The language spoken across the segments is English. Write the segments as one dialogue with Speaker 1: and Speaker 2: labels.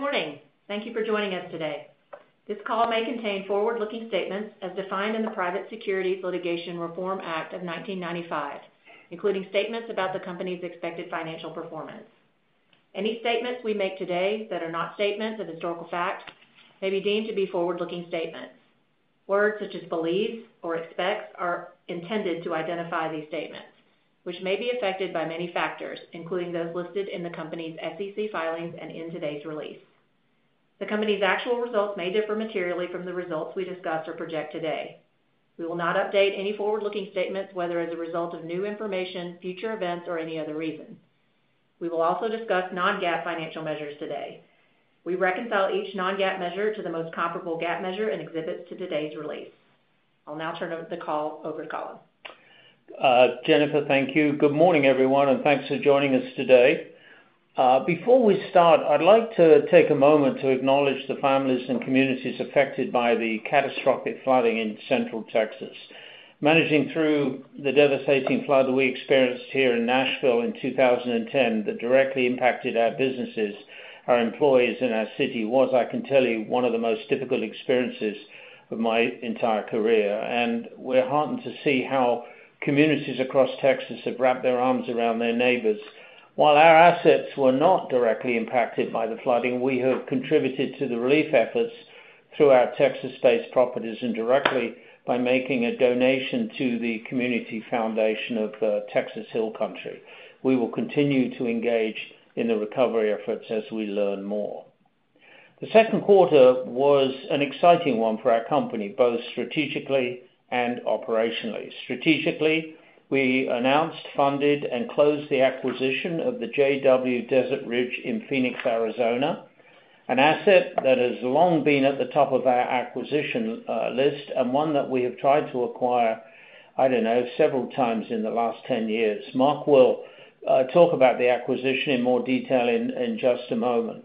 Speaker 1: Good morning. Thank you for joining us today. This call may contain forward-looking statements as defined in the Private Securities Litigation Reform Act of 1995, including statements about the company's expected financial performance. Any statements we make today that are not statements of historical facts may be deemed to be forward-looking statements. Words such as "believes" or "expects" are intended to identify these statements, which may be affected by many factors, including those listed in the company's SEC filings and in today's release. The company's actual results may differ materially from the results we discuss or project today. We will not update any forward-looking statements, whether as a result of new information, future events, or any other reason. We will also discuss non-GAAP financial measures today. We reconcile each non-GAAP measure to the most comparable GAAP measure and exhibit to today's release. I'll now turn the call over to Colin.
Speaker 2: Jennifer, thank you. Good morning, everyone, and thanks for joining us today. Before we start, I'd like to take a moment to acknowledge the families and communities affected by the catastrophic flooding in central Texas. Managing through the devastating flood we experienced here in Nashville in 2010 that directly impacted our businesses, our employees, and our city was, I can tell you, one of the most difficult experiences of my entire career. We're heartened to see how communities across Texas have wrapped their arms around their neighbors. While our assets were not directly impacted by the flooding, we have contributed to the relief efforts through our Texas-based properties indirectly by making a donation to the Community Foundation of the Texas Hill Country. We will continue to engage in the recovery efforts as we learn more. The second quarter was an exciting one for our company, both strategically and operationally. Strategically, we announced, funded, and closed the acquisition of the JW Desert Ridge in Phoenix, Arizona, an asset that has long been at the top of our acquisition list and one that we have tried to acquire, I don't know, several times in the last 10 years. Mark will talk about the acquisition in more detail in just a moment.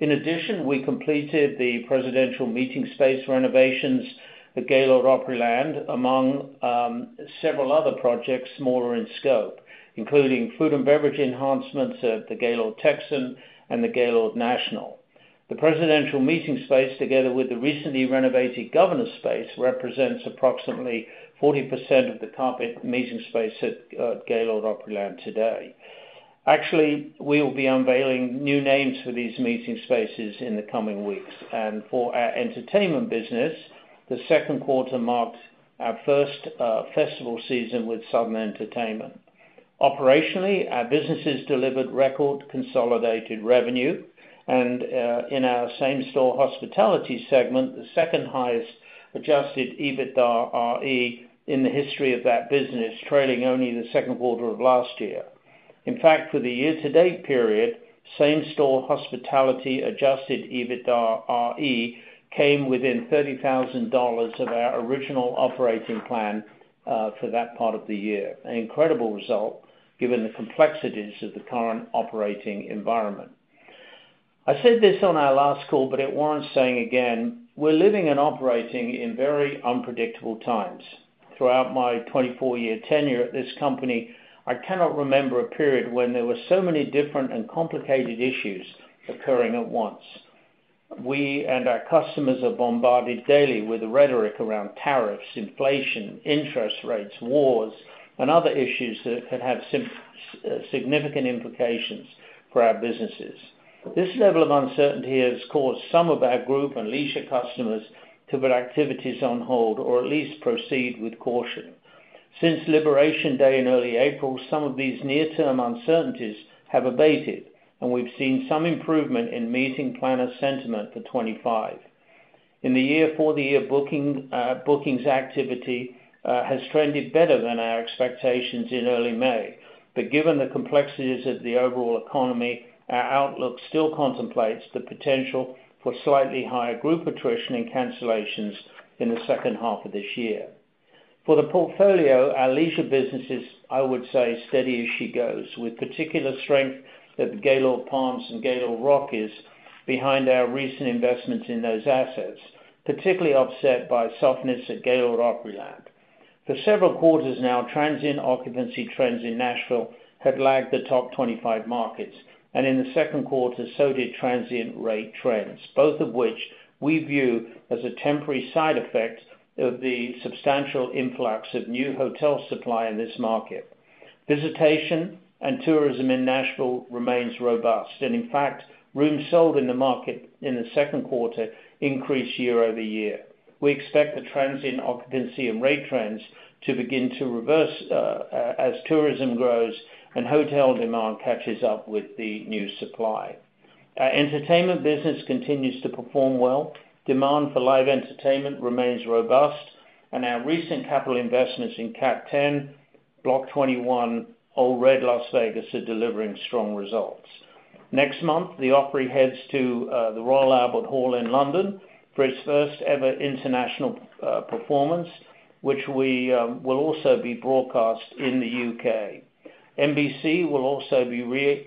Speaker 2: In addition, we completed the presidential meeting space renovations at Gaylord Opryland, among several other projects smaller in scope, including food and beverage enhancements at the Gaylord Texan and the Gaylord National. The presidential meeting space, together with the recently renovated governor's space, represents approximately 40% of the carpet meeting space at Gaylord Opryland today. Actually, we will be unveiling new names for these meeting spaces in the coming weeks. For our entertainment business, the second quarter marked our first festival season with Southern Entertainment. Operationally, our businesses delivered record consolidated revenue. In our same-store hospitality segment, the second highest adjusted EBITDAre in the history of that business, trailing only the second quarter of last year. In fact, for the year to date period, same-store hospitality adjusted EBITDAre came within $30,000 of our original operating plan for that part of the year, an incredible result given the complexities of the current operating environment. I said this on our last call, but it warrants saying again, we're living and operating in very unpredictable times. Throughout my 24-year tenure at this company, I cannot remember a period when there were so many different and complicated issues occurring at once. We and our customers are bombarded daily with the rhetoric around tariffs, inflation, interest rates, wars, and other issues that could have significant implications for our businesses. This level of uncertainty has caused some of our group and leisure customers to put activities on hold or at least proceed with caution. Since Liberation Day in early April, some of these near-term uncertainties have abated, and we've seen some improvement in meeting planner sentiment for 2025. In the year-for-the-year, bookings activity has trended better than our expectations in early May. Given the complexities of the overall economy, our outlook still contemplates the potential for slightly higher group attrition and cancellations in the second half of this year. For the portfolio, our leisure businesses, I would say, steady as she goes, with particular strength at the Gaylord Palms and Gaylord Rockies behind our recent investments in those assets, particularly offset by softness at Gaylord Opryland. For several quarters now, transient occupancy trends in Nashville have lagged the top 25 markets, and in the second quarter, so did transient rate trends, both of which we view as a temporary side effect of the substantial influx of new hotel supply in this market. Visitation and tourism in Nashville remain robust, and in fact, rooms sold in the market in the second quarter increased year-over-year. We expect the transient occupancy and rate trends to begin to reverse as tourism grows and hotel demand catches up with the new supply. Our entertainment business continues to perform well. Demand for live entertainment remains robust, and our recent capital investments in Category 10, Block 21, Ole Red Las Vegas are delivering strong results. Next month, the Opry heads to the Royal Albert Hall in London for its first-ever international performance, which we will also be broadcasting in the UK. NBC will also be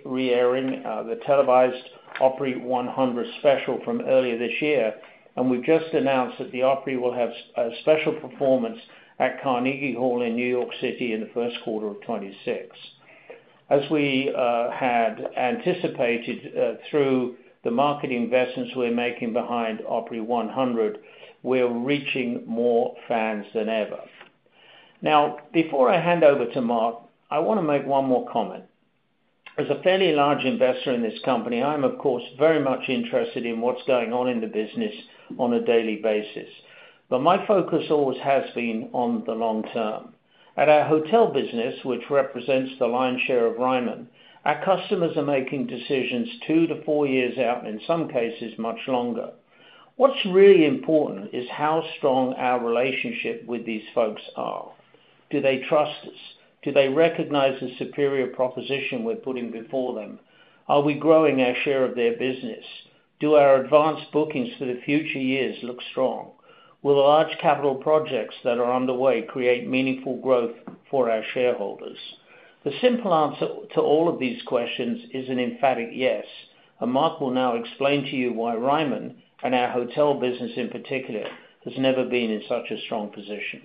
Speaker 2: re-airing the televised Opry 100 special from earlier this year, and we've just announced that the Opry will have a special performance at Carnegie Hall in New York City in the First Quarter of 2026. As we had anticipated through the market investments we're making behind Opry 100, we're reaching more fans than ever. Now, before I hand over to Mark, I want to make one more comment. As a fairly large investor in this company, I am, of course, very much interested in what's going on in the business on a daily basis. My focus always has been on the long term. At our hotel business, which represents the lion's share of Ryman, our customers are making decisions two to four years out, and in some cases, much longer. What's really important is how strong our relationship with these folks is. Do they trust us? Do they recognize the superior proposition we're putting before them? Are we growing our share of their business? Do our advanced bookings for the future years look strong? Will the large capital projects that are underway create meaningful growth for our shareholders? The simple answer to all of these questions is an emphatic yes. Mark will now explain to you why Ryman, and our hotel business in particular, has never been in such a strong position.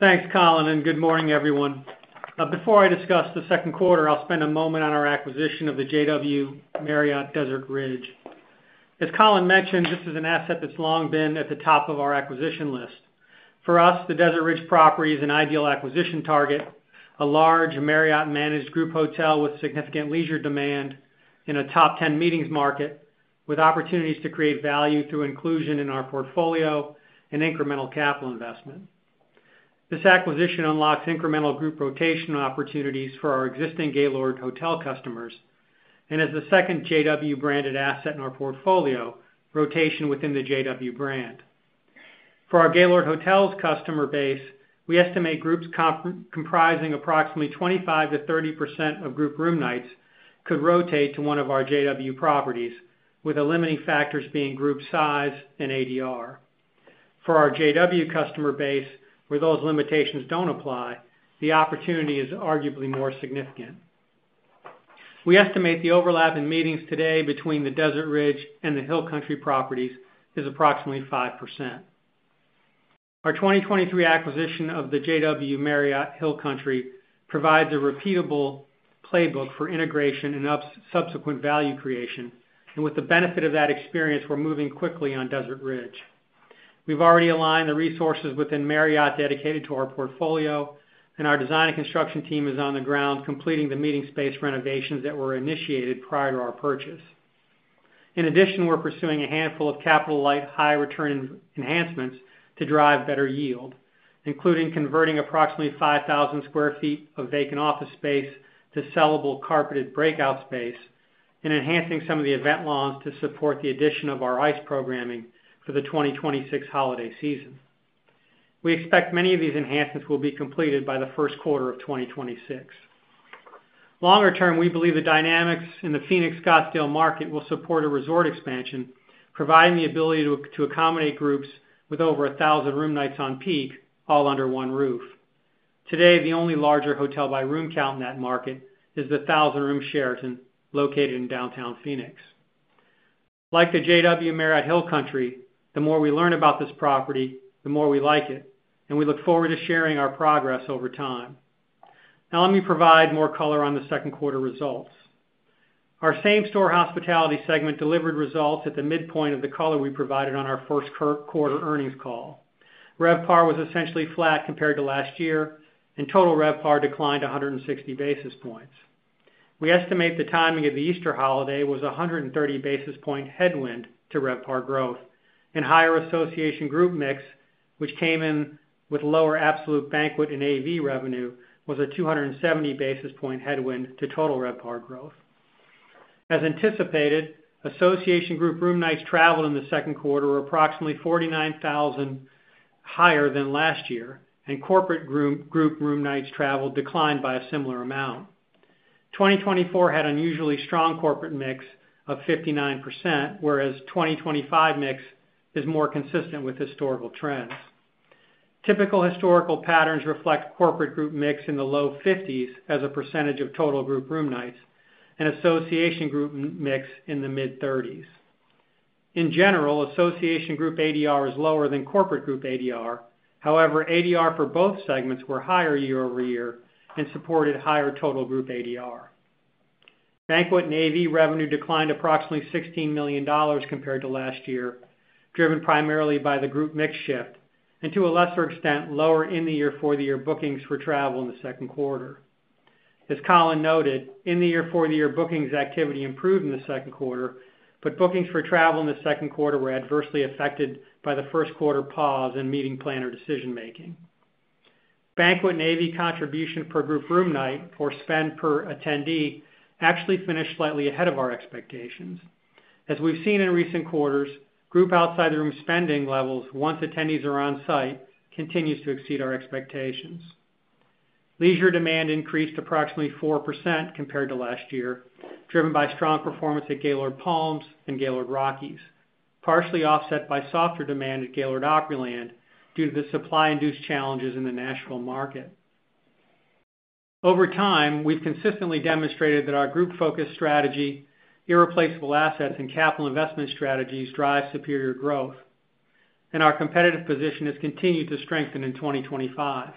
Speaker 3: Thanks, Colin, and good morning, everyone. Before I discuss the second quarter, I'll spend a moment on our acquisition of the JW Marriott Desert Ridge. As Colin mentioned, this is an asset that's long been at the top of our acquisition list. For us, the Desert Ridge property is an ideal acquisition target, a large Marriott-managed group hotel with significant leisure demand in a top 10 meetings market, with opportunities to create value through inclusion in our portfolio and incremental capital investment. This acquisition unlocks incremental group rotation opportunities for our existing Gaylord Hotels customers and is the second JW-branded asset in our portfolio, rotation within the JW brand. For our Gaylord Hotels customer base, we estimate groups comprising approximately 25%-30% of group room nights could rotate to one of our JW properties, with limiting factors being group size and ADR. For our JW customer base, where those limitations don't apply, the opportunity is arguably more significant. We estimate the overlap in meetings today between the Desert Ridge and the Hill Country properties is approximately 5%. Our 2023 acquisition of the JW Marriott Hill Country provides a repeatable playbook for integration and subsequent value creation. With the benefit of that experience, we're moving quickly on Desert Ridge. We've already aligned the resources within Marriott dedicated to our portfolio, and our design and construction team is on the ground completing the meeting space renovations that were initiated prior to our purchase. In addition, we're pursuing a handful of capital-light, high-return enhancements to drive better yield, including converting approximately 5,000 sq ft of vacant office space to sellable carpeted breakout space and enhancing some of the event lawn to support the addition of our ice programming for the 2026 holiday season. We expect many of these enhancements will be completed by the First Quarter of 2026. Longer term, we believe the dynamics in the Phoenix Scottsdale market will support a resort expansion, providing the ability to accommodate groups with over 1,000 room nights on peak, all under one roof. Today, the only larger hotel by room count in that market is the 1,000-room Sheraton, located in downtown Phoenix. Like the JW Marriott Hill Country, the more we learn about this property, the more we like it, and we look forward to sharing our progress over time. Now, let me provide more color on the second quarter results. Our same-store hospitality segment delivered results at the midpoint of the color we provided on our First Quarter earnings call. RevPAR was essentially flat compared to last year, and total RevPAR declined 160 basis points. We estimate the timing of the Easter holiday was a 130 basis point headwind to RevPAR growth. Higher association group mix, which came in with lower absolute banquet and AV revenue, was a 270 basis point headwind to total RevPAR growth. As anticipated, association group room nights traveled in the second quarter were approximately 49,000 higher than last year, and corporate group room nights traveled declined by a similar amount. 2024 had an unusually strong corporate mix of 59%, whereas the 2025 mix is more consistent with historical trends. Typical historical patterns reflect corporate group mix in the low 50% as a percentage of total group room nights and association group mix in the mid-30%. In general, association group ADR is lower than corporate group ADR. However, ADR for both segments were higher year-over-year and supported higher total group ADR. Banquet and AV revenue declined approximately $16 million compared to last year, driven primarily by the group mix shift, and to a lesser extent, lower in-the-year, for-the-year bookings for travel in the second quarter. As Colin noted, in-the-year, for-the-year bookings activity improved in the second quarter, but bookings for travel in the second quarter were adversely affected by the First Quarter pause in meeting planner decision-making. Banquet and AV contribution per group room night for spend per attendee actually finished slightly ahead of our expectations. As we've seen in recent quarters, group outside the room spending levels, once attendees are on site, continue to exceed our expectations. Leisure demand increased approximately 4% compared to last year, driven by strong performance at Gaylord Palms and Gaylord Rockies, partially offset by softer demand at Gaylord Opryland due to the supply-induced challenges in the Nashville market. Over time, we've consistently demonstrated that our group-focused strategy, irreplaceable assets, and capital investment strategies drive superior growth. Our competitive position has continued to strengthen in 2025.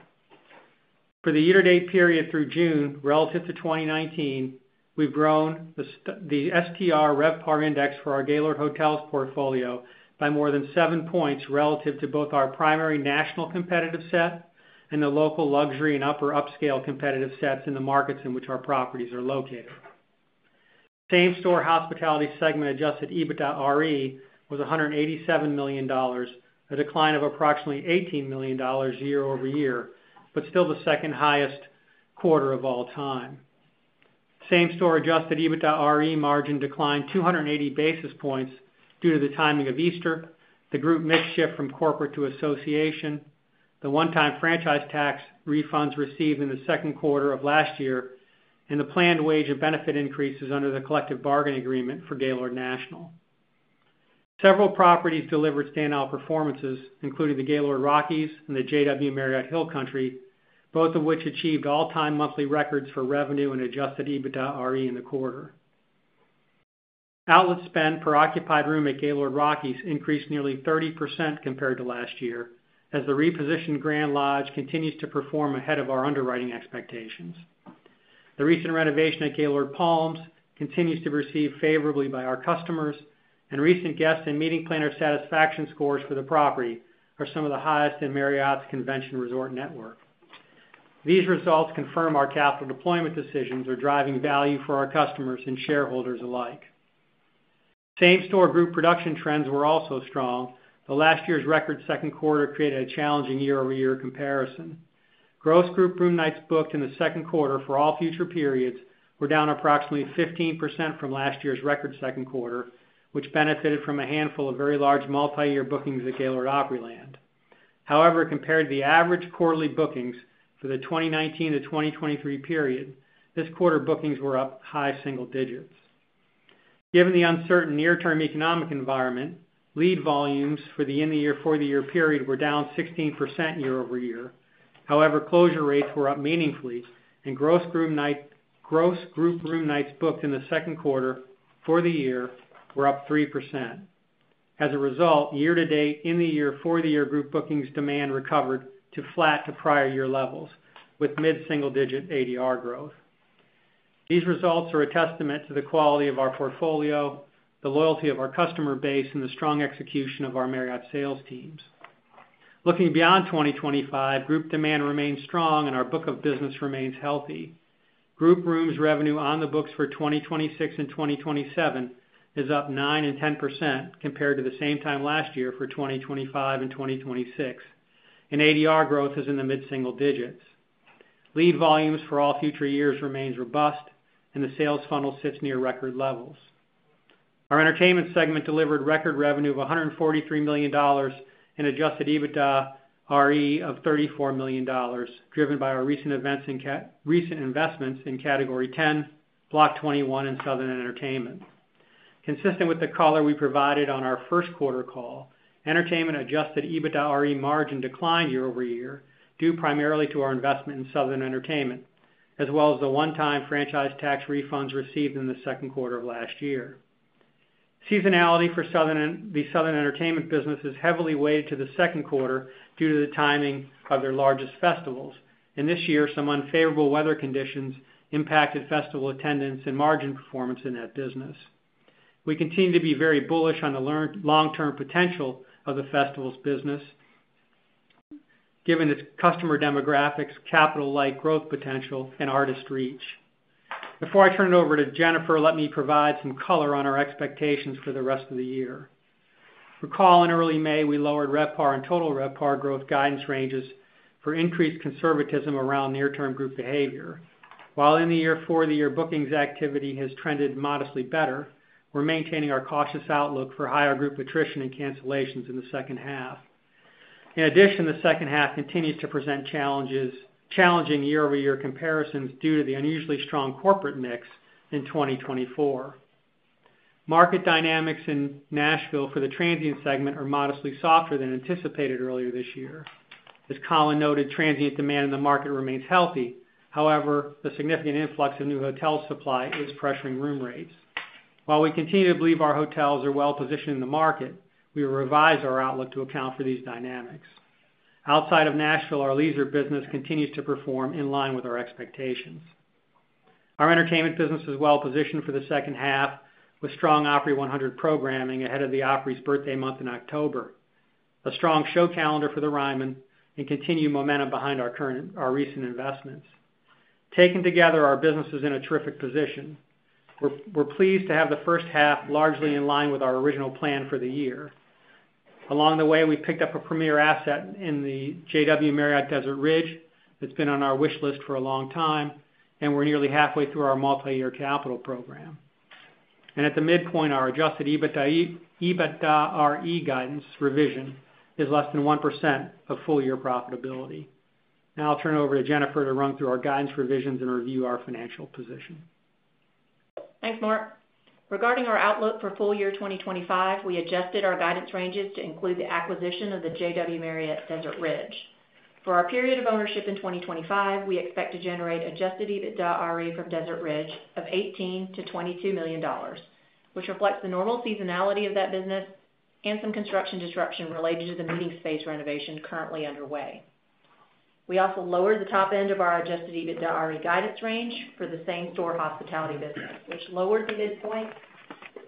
Speaker 3: For the year to date period through June, relative to 2019, we've grown the STR RevPAR index for our Gaylord Hotels portfolio by more than seven points relative to both our primary national competitive set and the local luxury and upper upscale competitive sets in the markets in which our properties are located. Same-store hospitality segment adjusted EBITDAre was $187 million, a decline of approximately $18 million year-over-year, but still the second highest quarter of all time. Same-store adjusted EBITDAre margin declined 280 basis points due to the timing of Easter, the group mix shift from corporate to association, the one-time franchise tax refunds received in the second quarter of last year, and the planned wage and benefit increases under the collective bargaining agreement for Gaylord National. Several properties delivered standout performances, including the Gaylord Rockies and the JW Marriott Hill Country, both of which achieved all-time monthly records for revenue and adjusted EBITDAre in the quarter. Outlet spend per occupied room at Gaylord Rockies increased nearly 30% compared to last year, as the repositioned Grand Lodge continues to perform ahead of our underwriting expectations. The recent renovation at Gaylord Palms continues to be received favorably by our customers, and recent guest and meeting planner satisfaction scores for the property are some of the highest in Marriott's convention resort network. These results confirm our capital deployment decisions are driving value for our customers and shareholders alike. Same-store group production trends were also strong, but last year's record second quarter created a challenging year-over-year comparison. Gross group room nights booked in the second quarter for all future periods were down approximately 15% from last year's record second quarter, which benefited from a handful of very large multi-year bookings at Gaylord Opryland. However, compared to the average quarterly bookings for the 2019 to 2023 period, this quarter's bookings were up high single digits. Given the uncertain near-term economic environment, lead volumes for the in-the-year, for-the-year period were down 16% year-over-year. However, closure rates were up meaningfully, and gross group room nights booked in the second quarter for the year were up 3%. As a result, year to date, in-the-year, for-the-year group bookings demand recovered to flat to prior year levels, with mid-single-digit ADR growth. These results are a testament to the quality of our portfolio, the loyalty of our customer base, and the strong execution of our Marriott sales teams. Looking beyond 2025, group demand remains strong and our book of business remains healthy. Group rooms revenue on the books for 2026 and 2027 is up 9% and 10% compared to the same time last year for 2025 and 2026, and ADR growth is in the mid-single digits. Lead volumes for all future years remain robust, and the sales funnel sits near record levels. Our entertainment segment delivered record revenue of $143 million and adjusted EBITDAre of $34 million, driven by our recent events and recent investments in Category 10, Block 21, and Southern Entertainment. Consistent with the color we provided on our First Quarter call, entertainment adjusted EBITDAre margin declined year-over-year, due primarily to our investment in Southern Entertainment, as well as the one-time franchise tax refunds received in the second quarter of last year. Seasonality for the Southern Entertainment business is heavily weighted to the second quarter due to the timing of their largest festivals. This year, some unfavorable weather conditions impacted festival attendance and margin performance in that business. We continue to be very bullish on the long-term potential of the festivals business, given its customer demographics, capital-light growth potential, and artist reach. Before I turn it over to Jennifer, let me provide some color on our expectations for the rest of the year. Recall in early May, we lowered RevPAR and total RevPAR growth guidance ranges for increased conservatism around near-term group behavior. While in-the-year, for-the-year bookings activity has trended modestly better, we're maintaining our cautious outlook for higher group attrition and cancellations in the second half. In addition, the second half continues to present challenging year-over-year comparisons due to the unusually strong corporate mix in 2024. Market dynamics in Nashville for the transient segment are modestly softer than anticipated earlier this year. As Colin noted, transient demand in the market remains healthy. However, the significant influx of new hotel supply is pressuring room rates. While we continue to believe our hotels are well positioned in the market, we will revise our outlook to account for these dynamics. Outside of Nashville, our leisure business continues to perform in line with our expectations. Our entertainment business is well positioned for the second half, with strong Opry 100 programming ahead of the Opry's birthday month in October, a strong show calendar for the Ryman, and continued momentum behind our recent investments. Taken together, our business is in a terrific position. We're pleased to have the first half largely in line with our original plan for the year. Along the way, we picked up a premier asset in the JW Marriott Desert Ridge that's been on our wish list for a long time, and we're nearly halfway through our multi-year capital program. At the midpoint, our adjusted EBITDAre guidance revision is less than 1% of full-year profitability. Now I'll turn it over to Jennifer to run through our guidance revisions and review our financial position.
Speaker 1: Thanks, Mark. Regarding our outlook for full-year 2025, we adjusted our guidance ranges to include the acquisition of the JW Marriott Desert Ridge. For our period of ownership in 2025, we expect to generate adjusted EBITDAre from Desert Ridge of $18 million-$22 million, which reflects the normal seasonality of that business and some construction disruption related to the meeting space renovations currently underway. We also lowered the top end of our adjusted EBITDAre guidance range for the same-store hospitality business, which lowered the midpoint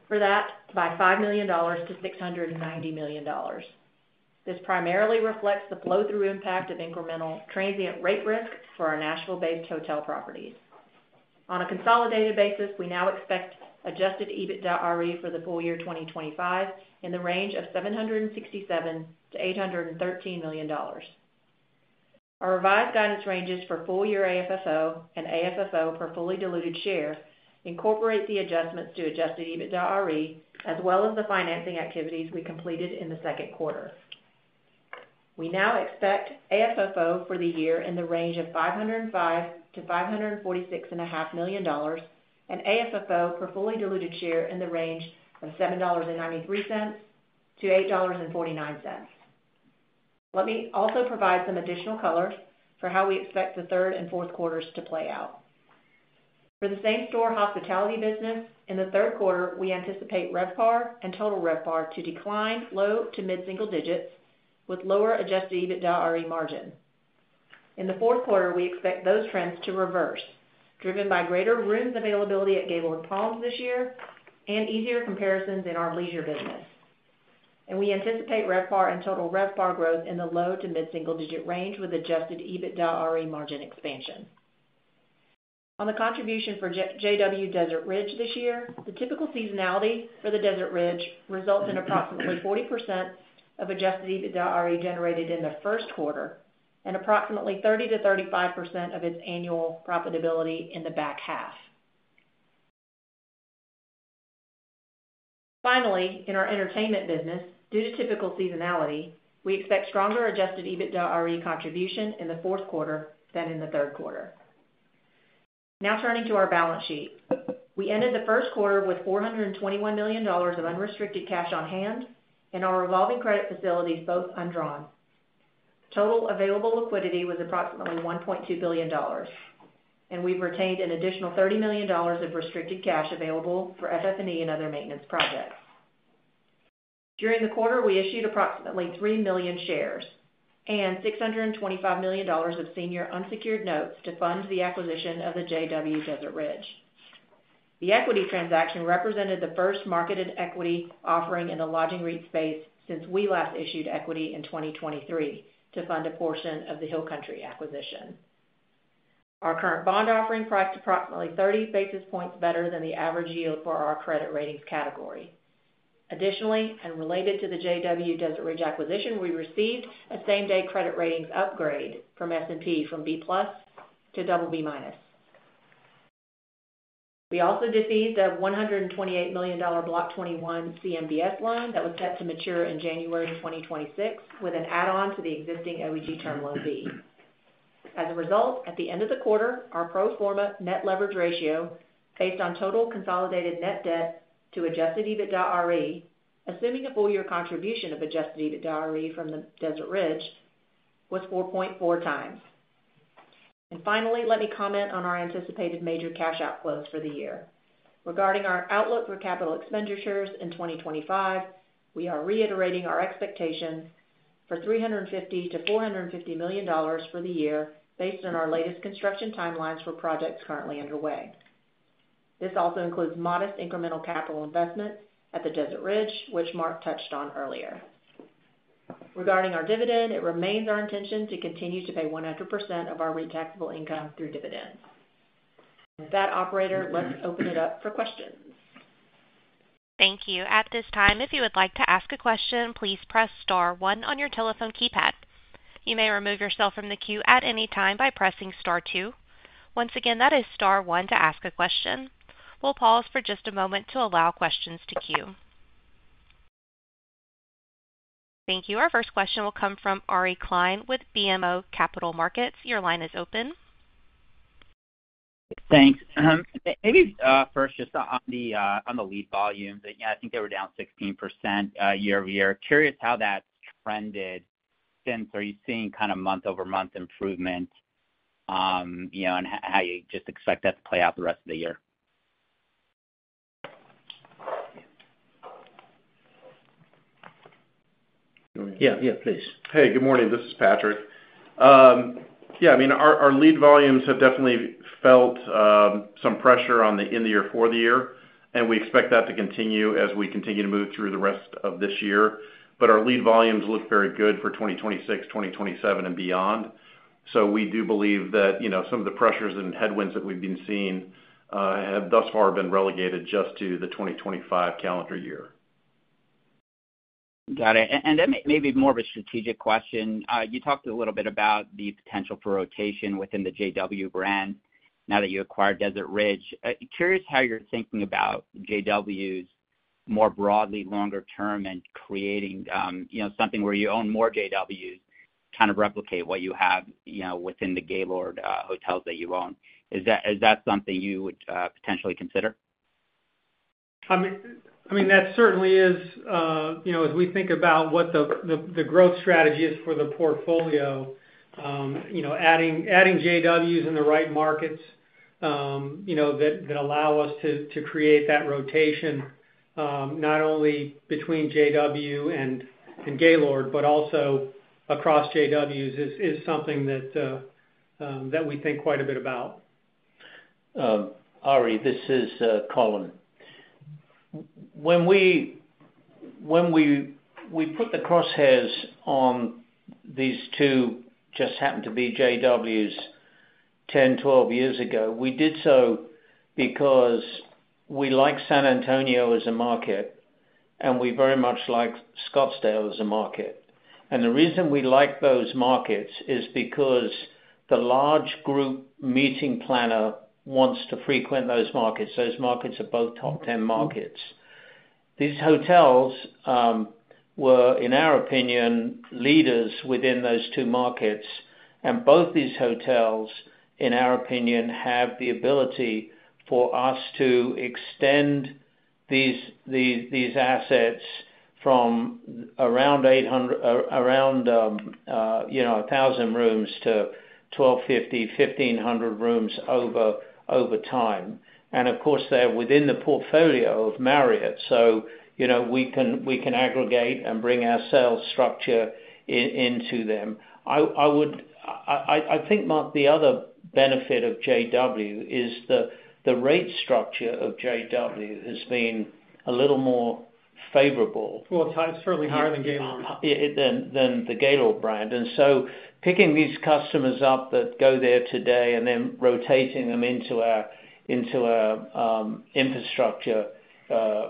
Speaker 1: for that by $5 million-$690 million. This primarily reflects the flow-through impact of incremental transient rate risks for our Nashville-based hotel properties. On a consolidated basis, we now expect adjusted EBITDAre for the full-year 2025 in the range of $767 million-$813 million. Our revised guidance ranges for full-year AFFO and AFFO per fully diluted share incorporate the adjustments to adjusted EBITDAre, as well as the financing activities we completed in the second quarter. We now expect AFFO for the year in the range of $505 million-$546.5 million and AFFO per fully diluted share in the range of $7.93-$8.49. Let me also provide some additional color for how we expect the third and fourth quarters to play out. For the same-store hospitality business, in the third quarter, we anticipate RevPAR and total RevPAR to decline low to mid-single digits, with lower adjusted EBITDAre margin. In the fourth quarter, we expect those trends to reverse, driven by greater rooms availability at Gaylord Palms this year and easier comparisons in our leisure business. We anticipate RevPAR and total RevPAR growth in the low to mid-single-digit range with adjusted EBITDAre margin expansion. On the contribution for JW Desert Ridge this year, the typical seasonality for the Desert Ridge results in approximately 40% of adjusted EBITDAre generated in the First Quarter and approximately 30%-35% of its annual profitability in the back half. Finally, in our entertainment business, due to typical seasonality, we expect stronger adjusted EBITDAre contribution in the fourth quarter than in the third quarter. Now turning to our balance sheet, we ended the First Quarter with $421 million of unrestricted cash on hand and our revolving credit facilities both undrawn. Total available liquidity was approximately $1.2 billion, and we've retained an additional $30 million of restricted cash available for FF&E and other maintenance projects. During the quarter, we issued approximately 3 million shares and $625 million of senior unsecured notes to fund the acquisition of the JW Desert Ridge. The equity transaction represented the first marketed equity offering in the lodging REIT space since we last issued equity in 2023 to fund a portion of the Hill Country acquisition. Our current bond offering priced approximately 30 basis points better than the average yield for our credit ratings category. Additionally, and related to the JW Desert Ridge acquisition, we received a same-day credit ratings upgrade from S&P from B+ to BB-. We also defeased a $128 million Block 21 CMBS loan that was set to mature in January of 2026 with an add-on to the existing OEG term loan fee. As a result, at the end of the quarter, our pro forma net leverage ratio based on total consolidated net debt to adjusted EBITDAre, assuming a full-year contribution of adjusted EBITDAre from the Desert Ridge, was 4.4x. Finally, let me comment on our anticipated major cash outflows for the year. Regarding our outlook for capital expenditures in 2025, we are reiterating our expectations for $350 million-$450 million for the year based on our latest construction timelines for projects currently underway. This also includes modest incremental capital investment at the Desert Ridge, which Mark touched on earlier. Regarding our dividend, it remains our intention to continue to pay 100% of our REIT taxable income through dividends. With that, operator, let's open it up for questions.
Speaker 4: Thank you. At this time, if you would like to ask a question, please press star one on your telephone keypad. You may remove yourself from the queue at any time by pressing star two. Once again, that is star one to ask a question. We'll pause for just a moment to allow questions to queue. Thank you. Our first question will come from Ari Klein with BMO Capital Markets. Your line is open.
Speaker 5: Thanks. Maybe first just on the lead volumes, I think they were down 16% year-over-year. Curious how that's trended since. Are you seeing kind of month-over-month improvement, and how you just expect that to play out the rest of the year?
Speaker 2: Yeah, please.
Speaker 6: Hey, good morning. This is Patrick. Our lead volumes have definitely felt some pressure on the in-the-year, for-the-year, and we expect that to continue as we continue to move through the rest of this year. Our lead volumes look very good for 2026, 2027, and beyond. We do believe that some of the pressures and headwinds that we've been seeing have thus far been relegated just to the 2025 calendar year.
Speaker 5: Got it. That may be more of a strategic question. You talked a little bit about the potential for rotation within the JW brand now that you acquired Desert Ridge. Curious how you're thinking about JWs more broadly, longer term, and creating, you know, something where you own more JWs, kind of replicate what you have within the Gaylord Hotels that you own. Is that something you would potentially consider?
Speaker 3: That certainly is, as we think about what the growth strategy is for the portfolio, adding JWs in the right markets that allow us to create that rotation, not only between JW and Gaylord, but also across JWs, is something that we think quite a bit about.
Speaker 2: Ari, this is Colin. When we put the crosshairs on these two, just happened to be JWs 10, 12 years ago, we did so because we like San Antonio as a market, and we very much like Scottsdale as a market. The reason we like those markets is because the large group meeting planner wants to frequent those markets. Those markets are both top 10 markets. These hotels were, in our opinion, leaders within those two markets. Both these hotels, in our opinion, have the ability for us to extend these assets from around 1,000 rooms to 1,250, 1,500 rooms over time. Of course, they're within the portfolio of Marriott. You know, we can aggregate and bring our sales structure into them. I would, I think, Mark, the other benefit of JW is the rate structure of JW has been a little more favorable.
Speaker 3: It is certainly higher than Gaylord.
Speaker 2: The Gaylord brand, and so picking these customers up that go there today and then rotating them into our infrastructure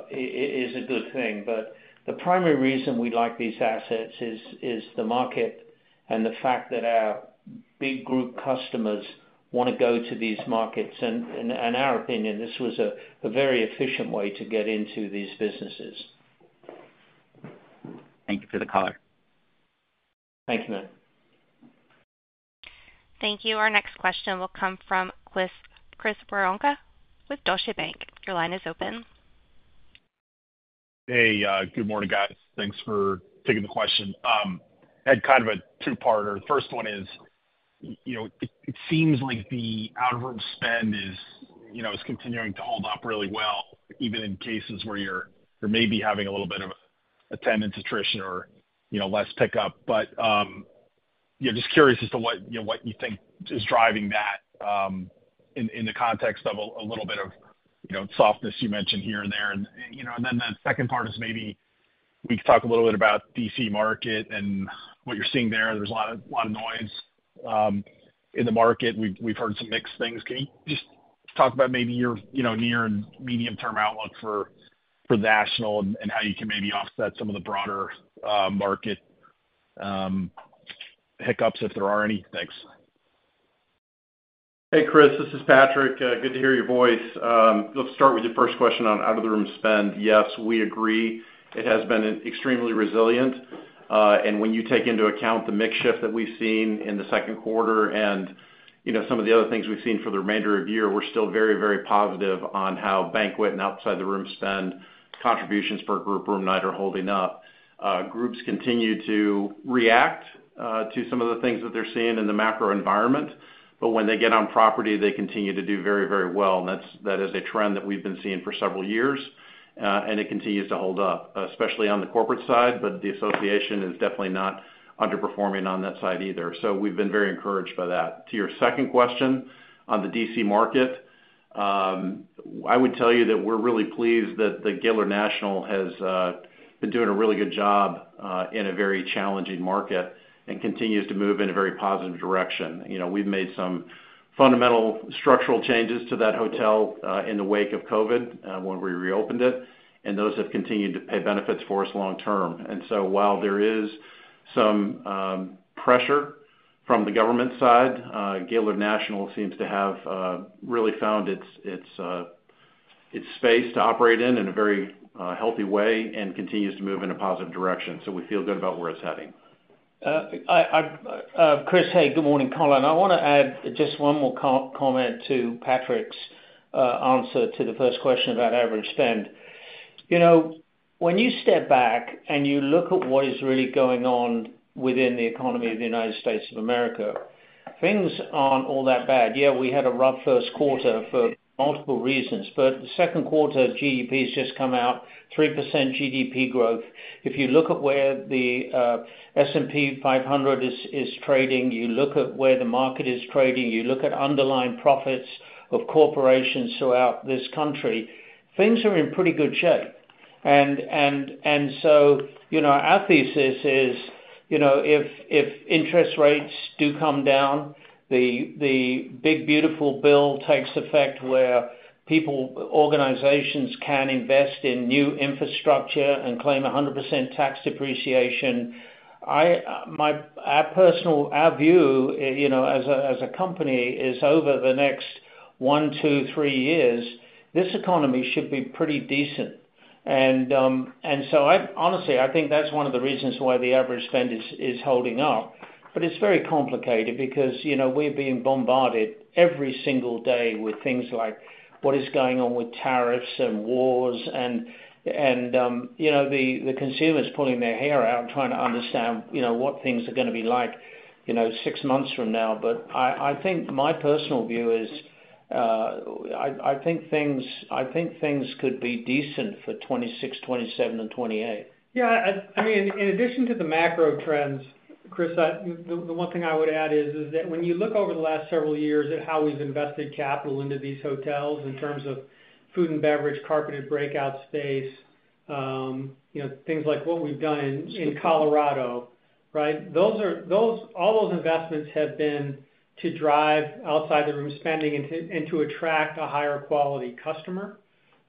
Speaker 2: is a good thing. The primary reason we like these assets is the market and the fact that our big group customers want to go to these markets. In our opinion, this was a very efficient way to get into these businesses.
Speaker 5: Thank you for the call.
Speaker 2: Thank you, man.
Speaker 4: Thank you. Our next question will come from Chris Woronka with Deutsche Bank. Your line is open.
Speaker 7: Hey, good morning, guys. Thanks for taking the question. I had kind of a two-parter. The first one is, you know, it seems like the out-of-room spend is continuing to hold up really well, even in cases where you're maybe having a little bit of attendance attrition or less pickup. Just curious as to what you think is driving that in the context of a little bit of softness you mentioned here and there. The second part is maybe we can talk a little bit about the D.C. market and what you're seeing there. There's a lot of noise in the market. We've heard some mixed things. Can you just talk about maybe your near and medium-term outlook for the national and how you can maybe offset some of the broader market hiccups if there are any things?
Speaker 6: Hey, Chris. This is Patrick. Good to hear your voice. Let's start with your first question on out-of-the-room spend. Yes, we agree. It has been extremely resilient. When you take into account the mix shift that we've seen in the second quarter and some of the other things we've seen for the remainder of the year, we're still very, very positive on how banquet and outside-the-room spend contributions per group room night are holding up. Groups continue to react to some of the things that they're seeing in the macro environment. When they get on property, they continue to do very, very well. That is a trend that we've been seeing for several years, and it continues to hold up, especially on the corporate side, but the association is definitely not underperforming on that side either. We've been very encouraged by that. To your second question on the D.C. market, I would tell you that we're really pleased that the Gaylord National has been doing a really good job in a very challenging market and continues to move in a very positive direction. We've made some fundamental structural changes to that hotel in the wake of COVID when we reopened it, and those have continued to pay benefits for us long term. While there is some pressure from the government side, Gaylord National seems to have really found its space to operate in a very healthy way and continues to move in a positive direction. We feel good about where it's heading.
Speaker 2: Chris, hey, good morning, Colin. I want to add just one more comment to Patrick's answer to the first question about average spend. When you step back and you look at what is really going on within the economy of the United States of America, things aren't all that bad. Yeah, we had a rough First Quarter for multiple reasons, but the second quarter, GDP has just come out, 3% GDP growth. If you look at where the S&P 500 is trading, you look at where the market is trading, you look at underlying profits of corporations throughout this country, things are in pretty good shape. Our thesis is, if interest rates do come down, the big, beautiful bill takes effect where people, organizations can invest in new infrastructure and claim 100% tax depreciation. Our view, as a company, is over the next one, two, three years, this economy should be pretty decent. I think that's one of the reasons why the average spend is holding up. It's very complicated because we're being bombarded every single day with things like what is going on with tariffs and wars. The consumer is pulling their hair out and trying to understand what things are going to be like six months from now. I think my personal view is I think things could be decent for 2026, 2027, and 2028.
Speaker 3: Yeah, I mean, in addition to the macro trends, Chris, the one thing I would add is that when you look over the last several years at how we've invested capital into these hotels in terms of food and beverage, carpeted breakout space, things like what we've done in Colorado, right? All those investments have been to drive outside-the-room spending and to attract a higher quality customer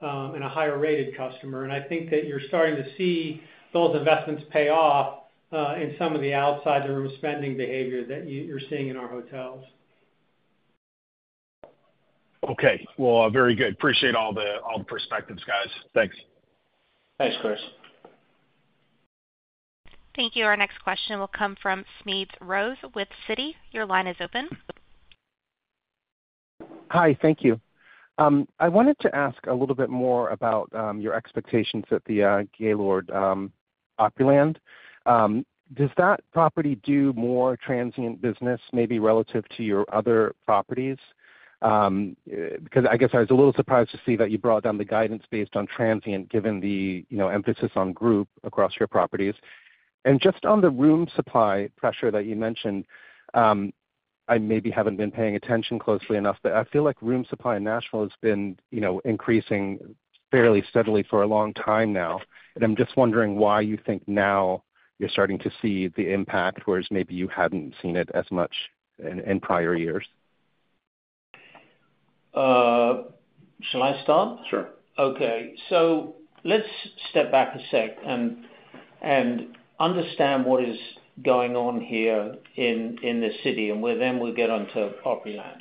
Speaker 3: and a higher rated customer. I think that you're starting to see those investments pay off in some of the outside-the-room spending behavior that you're seeing in our hotels.
Speaker 7: Okay. Very good. Appreciate all the perspectives, guys. Thanks.
Speaker 2: Thanks, Chris.
Speaker 4: Thank you. Our next question will come from Smedes Rose with Citi. Your line is open.
Speaker 8: Hi, thank you. I wanted to ask a little bit more about your expectations at the Gaylord Opryland. Does that property do more transient business, maybe relative to your other properties? I guess I was a little surprised to see that you brought down the guidance based on transient, given the emphasis on group across your properties. Just on the room supply pressure that you mentioned, I maybe haven't been paying attention closely enough, but I feel like room supply in Nashville has been increasing fairly steadily for a long time now. I'm just wondering why you think now you're starting to see the impact, whereas maybe you hadn't seen it as much in prior years.
Speaker 2: Shall I start?
Speaker 3: Sure.
Speaker 2: Okay. Let's step back a sec and understand what is going on here in the city and where then we'll get onto Opryland.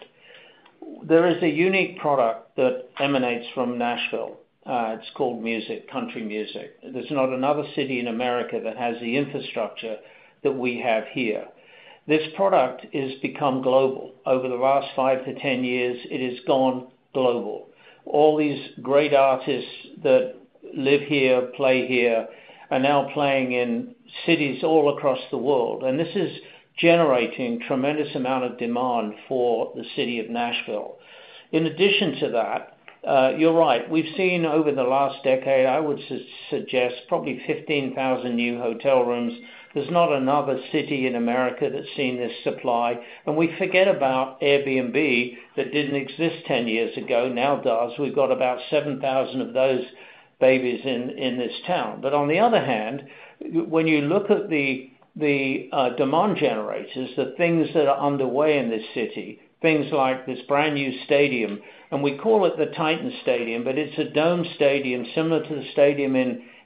Speaker 2: There is a unique product that emanates from Nashville. It's called music, country music. There's not another city in America that has the infrastructure that we have here. This product has become global. Over the last 5 to 10 years, it has gone global. All these great artists that live here, play here, are now playing in cities all across the world. This is generating a tremendous amount of demand for the city of Nashville. In addition to that, you're right. We've seen over the last decade, I would suggest probably 15,000 new hotel rooms. There's not another city in America that's seen this supply. We forget about Airbnb that didn't exist 10 years ago, now does. We've got about 7,000 of those babies in this town. On the other hand, when you look at the demand generators, the things that are underway in this city, things like this brand new stadium, and we call it the Titan Stadium, but it's a dome stadium similar to the stadium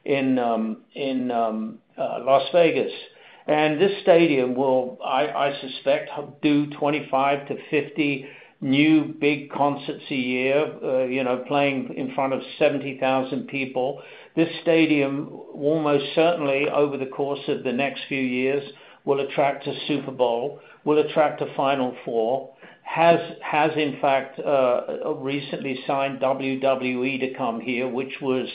Speaker 2: in Las Vegas. This stadium will, I suspect, do 25 to 50 new big concerts a year, playing in front of 70,000 people. This stadium almost certainly over the course of the next few years will attract a Super Bowl, will attract a Final Four, has, in fact, recently signed WWE to come here, which was,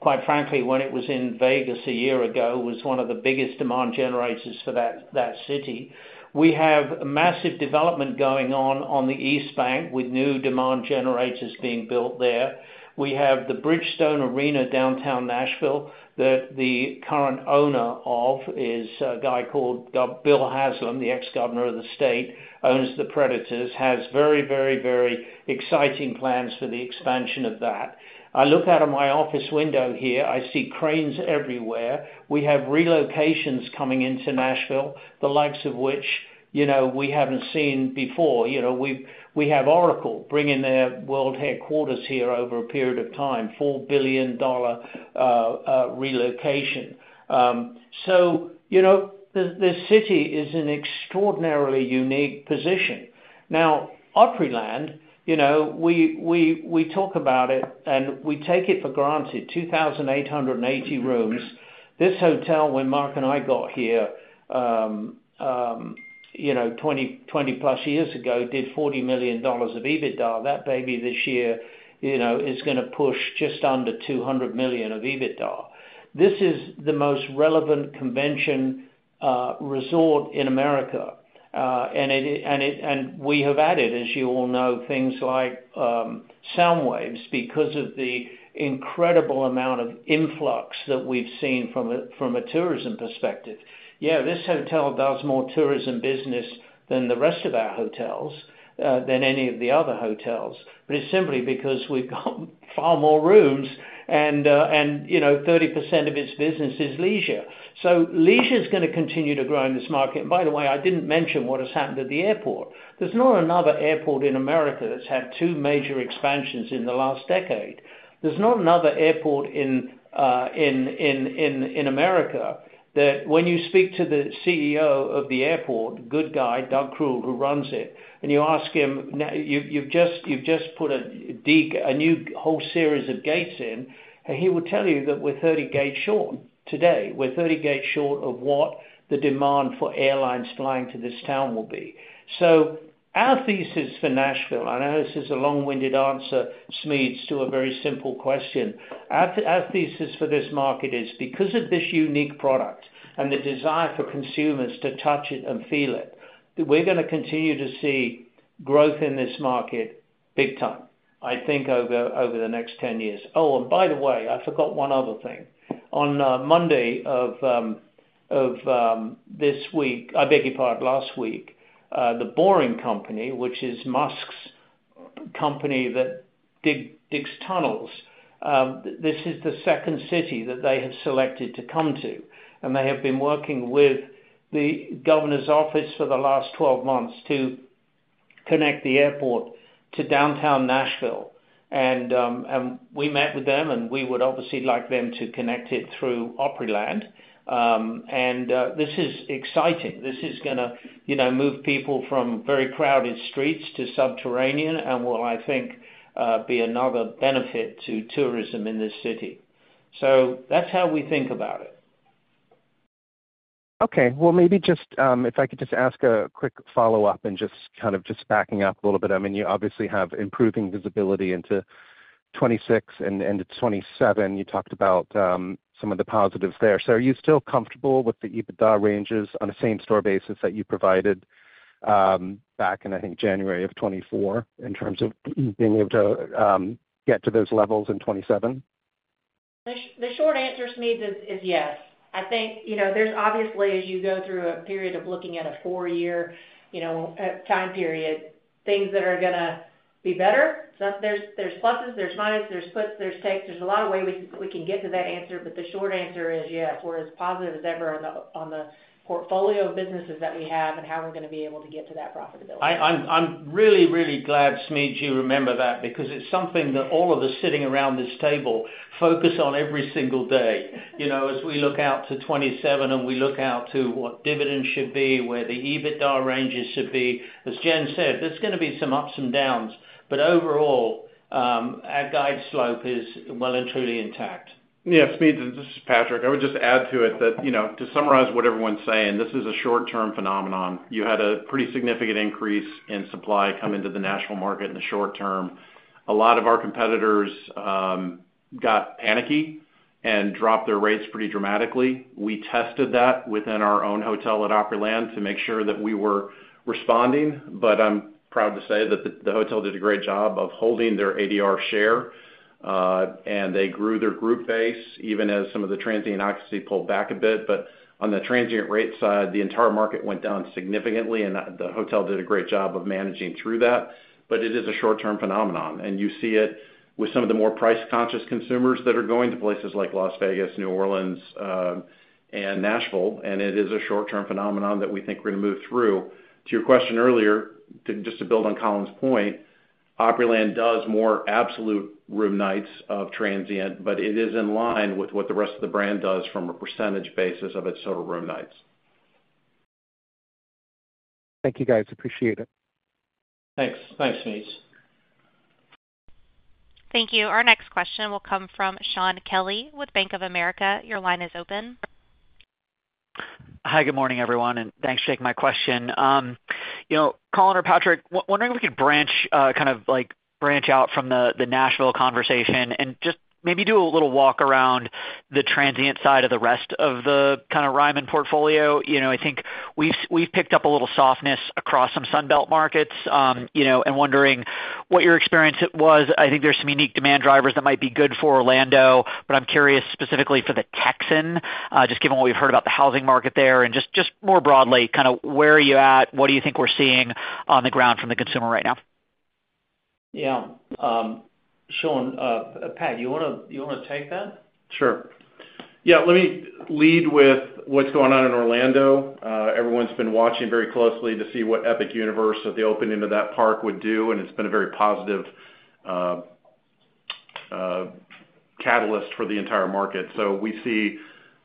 Speaker 2: quite frankly, when it was in Vegas a year ago, was one of the biggest demand generators for that city. We have massive development going on on the East Bank with new demand generators being built there. We have the Bridgestone Arena downtown Nashville that the current owner of is a guy called Bill Haslam, the ex-Governor of the state, owns the Predators, has very, very, very exciting plans for the expansion of that. I look out of my office window here, I see cranes everywhere. We have relocations coming into Nashville, the likes of which we haven't seen before. We have Oracle bringing their world headquarters here over a period of time, $4 billion relocation. This city is in an extraordinarily unique position. Now, Opryland, we talk about it and we take it for granted, 2,880 rooms. This hotel where Mark and I got here, 20+ years ago did $40 million of EBITDA. That baby this year is going to push just under $200 million of EBITDA. This is the most relevant convention resort in America. We have added, as you all know, things like Soundwaves because of the incredible amount of influx that we've seen from a tourism perspective. This hotel does more tourism business than the rest of our hotels, than any of the other hotels, but it's simply because we've got far more rooms and, you know, 30% of its business is leisure. Leisure is going to continue to grow in this market. By the way, I didn't mention what has happened at the airport. There is not another airport in America that's had two major expansions in the last decade. There is not another airport in America that when you speak to the CEO of the airport, good guy, Doug Kruger, who runs it, and you ask him, you've just put a new whole series of gates in, he will tell you that we're 30 gates short today. We're 30 gates short of what the demand for airlines flying to this town will be. Our thesis for Nashville, I know this is a long-winded answer, Smedes, to a very simple question. Our thesis for this market is because of this unique product and the desire for consumers to touch it and feel it, we're going to continue to see growth in this market big time, I think, over the next 10 years. By the way, I forgot one other thing. On Monday of this week, I beg your pardon, last week, The Boring Company, which is Musk's company that digs tunnels, this is the second city that they have selected to come to. They have been working with the governor's office for the last 12 months to connect the airport to downtown Nashville. We met with them, and we would obviously like them to connect it through Opryland. This is exciting. This is going to move people from very crowded streets to subterranean and will, I think, be another benefit to tourism in this city. That's how we think about it.
Speaker 8: Okay. If I could just ask a quick follow-up and back up a little bit. You obviously have improving visibility into 2026 and into 2027. You talked about some of the positives there. Are you still comfortable with the EBITDA ranges on a same-store basis that you provided back in, I think, January of 2024 in terms of being able to get to those levels in 2027?
Speaker 1: The short answer to Smedes is yes. I think there's obviously, as you go through a period of looking at a four-year time period, things that are going to be better. There's pluses, there's minus, there's puts, there's takes. There are a lot of ways we can get to that answer, but the short answer is, yeah, we're as positive as ever on the portfolio of businesses that we have and how we're going to be able to get to that profitability.
Speaker 2: I'm really, really glad, Smedes, you remember that because it's something that all of us sitting around this table focus on every single day. You know, as we look out to 2027 and we look out to what dividends should be, where the EBITDA ranges should be, as Jen said, there's going to be some ups and downs. Overall, our guide slope is well and truly intact.
Speaker 6: Yeah, Smedes, this is Patrick. I would just add to it that, you know, to summarize what everyone's saying, this is a short-term phenomenon. You had a pretty significant increase in supply come into the Nashville market in the short term. A lot of our competitors got panicky and dropped their rates pretty dramatically. We tested that within our own hotel at Opryland to make sure that we were responding. I'm proud to say that the hotel did a great job of holding their ADR share, and they grew their group base, even as some of the transient occupancy pulled back a bit. On the transient rate side, the entire market went down significantly, and the hotel did a great job of managing through that. It is a short-term phenomenon. You see it with some of the more price-conscious consumers that are going to places like Las Vegas, New Orleans, and Nashville. It is a short-term phenomenon that we think we're going to move through. To your question earlier, just to build on Colin's point, Opryland does more absolute room nights of transient, but it is in line with what the rest of the brand does from a percentage basis of its total room nights.
Speaker 8: Thank you, guys. Appreciate it.
Speaker 2: Thanks. Thanks, Smedes.
Speaker 4: Thank you. Our next question will come from Shaun Kelley with Bank of America. Your line is open.
Speaker 9: Hi, good morning, everyone. Thanks for taking my question. Colin or Patrick, wondering if we could branch out from the Nashville conversation and just maybe do a little walk around the transient side of the rest of the Ryman portfolio. I think we've picked up a little softness across some Sunbelt markets, and wondering what your experience was. I think there's some unique demand drivers that might be good for Orlando, but I'm curious specifically for the Texan, just given what we've heard about the housing market there. More broadly, where are you at? What do you think we're seeing on the ground from the consumer right now?
Speaker 2: Yeah. Shaun, Pat, do you want to take that?
Speaker 6: Sure. Let me lead with what's going on in Orlando. Everyone's been watching very closely to see what Epic Universe at the opening of that park would do, and it's been a very positive catalyst for the entire market. We see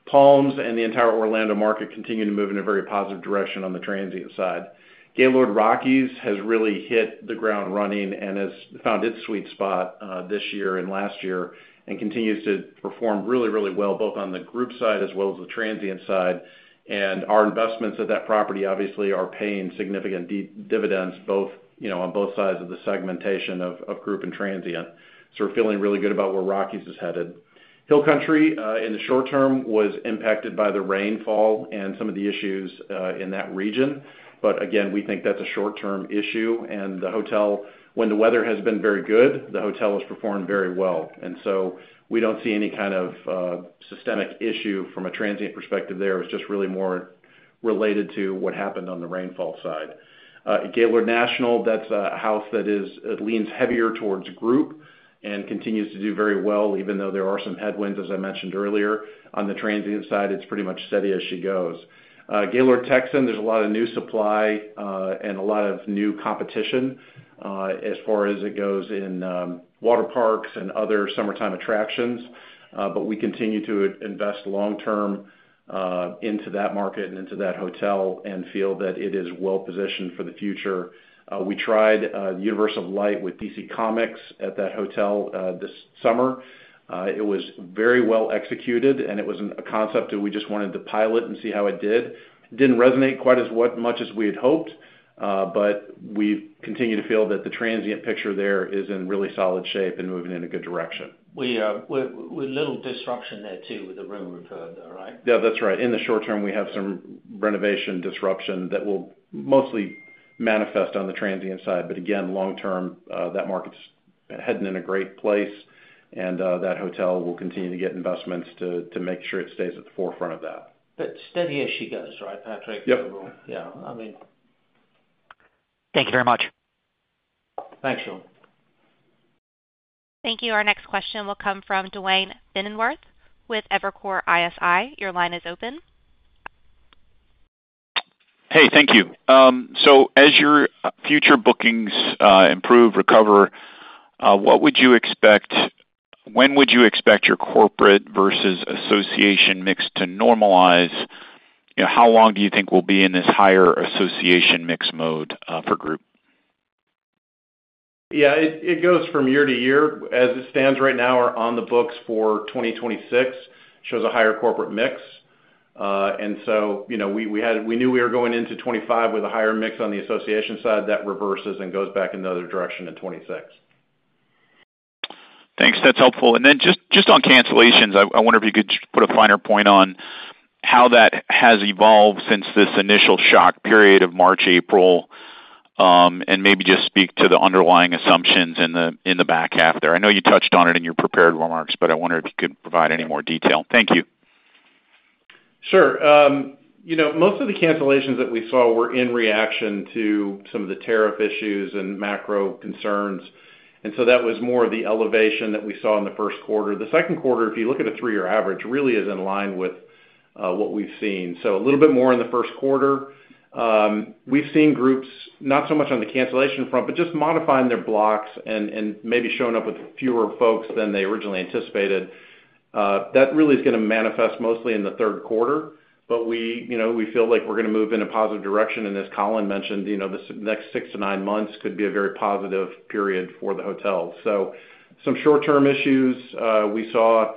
Speaker 6: Palms and the entire Orlando market continue to move in a very positive direction on the transient side. Gaylord Rockies has really hit the ground running and has found its sweet spot this year and last year and continues to perform really, really well, both on the group side as well as the transient side. Our investments at that property obviously are paying significant dividends on both sides of the segmentation of group and transient. We're feeling really good about where Gaylord Rockies is headed. Hill Country in the short term was impacted by the rainfall and some of the issues in that region. We think that's a short-term issue. The hotel, when the weather has been very good, has performed very well. We don't see any kind of systemic issue from a transient perspective there. It was just really more related to what happened on the rainfall side. Gaylord National, that's a house that leans heavier towards group and continues to do very well, even though there are some headwinds, as I mentioned earlier. On the transient side, it's pretty much steady as she goes. Gaylord Texan, there's a lot of new supply and a lot of new competition as far as it goes in water parks and other summertime attractions. We continue to invest long-term into that market and into that hotel and feel that it is well positioned for the future. We tried the Universe of Light with DC Comics at that hotel this summer. It was very well executed, and it was a concept that we just wanted to pilot and see how it did. It didn't resonate quite as much as we had hoped, but we continue to feel that the transient picture there is in really solid shape and moving in a good direction.
Speaker 2: We have a little disruption there too with the room repair, though, right?
Speaker 6: Yeah, that's right. In the short term, we have some renovation disruption that will mostly manifest on the transient side. Again, long term, that market's heading in a great place, and that hotel will continue to get investments to make sure it stays at the forefront of that.
Speaker 2: Steady as she goes, right, Patrick?
Speaker 6: Yeah.
Speaker 2: Yeah, I mean.
Speaker 9: Thank you very much.
Speaker 2: Thanks, Shaun.
Speaker 4: Thank you. Our next question will come from Duane Pfennigwerth with Evercore ISI. Your line is open.
Speaker 10: Thank you. As your future bookings improve, recover, what would you expect, when would you expect your corporate versus association mix to normalize? How long do you think we'll be in this higher association mix mode for group?
Speaker 6: It goes from year to year. As it stands right now, we're on the books for 2026. It shows a higher corporate mix. We knew we were going into 2025 with a higher mix on the association side. That reverses and goes back in the other direction in 2026.
Speaker 10: Thanks. That's helpful. On cancellations, I wonder if you could put a finer point on how that has evolved since this initial shock period of March, April, and maybe just speak to the underlying assumptions in the back half there. I know you touched on it in your prepared remarks, but I wonder if you could provide any more detail. Thank you.
Speaker 6: Sure. Most of the cancellations that we saw were in reaction to some of the tariff issues and macro concerns. That was more of the elevation that we saw in the First Quarter. The second quarter, if you look at a three-year average, really is in line with what we've seen. A little bit more in the First Quarter. We've seen groups not so much on the cancellation front, but just modifying their blocks and maybe showing up with fewer folks than they originally anticipated. That really is going to manifest mostly in the third quarter. We feel like we're going to move in a positive direction. As Colin mentioned, the next six to nine months could be a very positive period for the hotel. Some short-term issues we saw,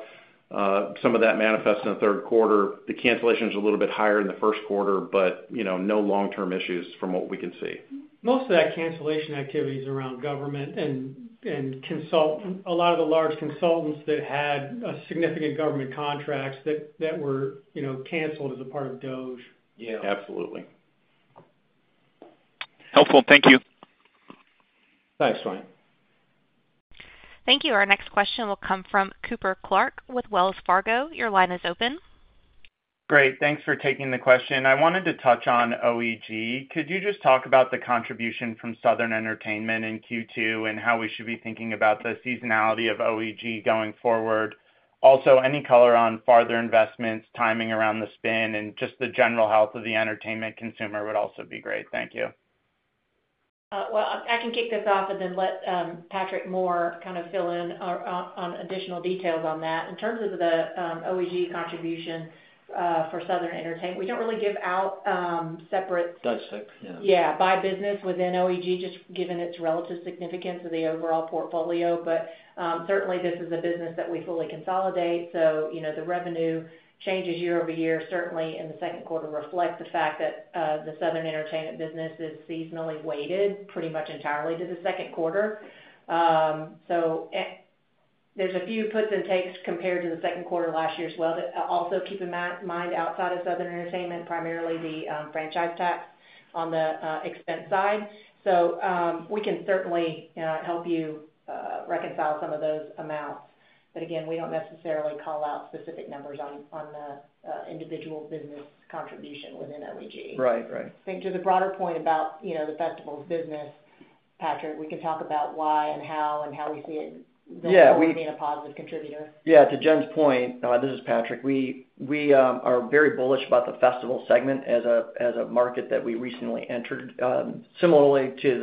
Speaker 6: some of that manifests in the third quarter. The cancellations are a little bit higher in the First Quarter, but no long-term issues from what we can see.
Speaker 3: Most of that cancellation activity is around government and consultants, a lot of the large consultants that had significant government contracts that were, you know, canceled as a part of D.O.S.
Speaker 6: Yeah, absolutely.
Speaker 10: Helpful. Thank you.
Speaker 2: Thanks, Sean.
Speaker 4: Thank you. Our next question will come from Cooper Clark with Wells Fargo. Your line is open.
Speaker 11: Great. Thanks for taking the question. I wanted to touch on OEG. Could you just talk about the contribution from Southern Entertainment in Q2 and how we should be thinking about the seasonality of OEG going forward? Also, any color on farther investments, timing around the spin, and just the general health of the entertainment consumer would also be great. Thank you.
Speaker 1: I can kick this off and then let Patrick Moore kind of fill in on additional details on that. In terms of the OEG contribution for Southern Entertainment, we don't really give out separate.
Speaker 2: Dutch slip.
Speaker 1: Yeah, by business within OEG, just given its relative significance of the overall portfolio. This is a business that we fully consolidate. The revenue changes year-over-year, certainly in the second quarter, reflect the fact that the Southern Entertainment business is seasonally weighted pretty much entirely to the second quarter. There are a few puts and takes compared to the second quarter last year as well. Also, keep in mind outside of Southern Entertainment, primarily the franchise tax on the expense side. We can certainly help you reconcile some of those amounts. Again, we don't necessarily call out specific numbers on the individual business contribution within OEG.
Speaker 2: Right, right.
Speaker 1: I think to the broader point about the festival's business, Patrick, we can talk about why and how and how we see it.
Speaker 2: Yeah, we.
Speaker 1: Being a positive contributor.
Speaker 6: Yeah, to Jen's point, this is Patrick. We are very bullish about the festival segment as a market that we recently entered. Similarly to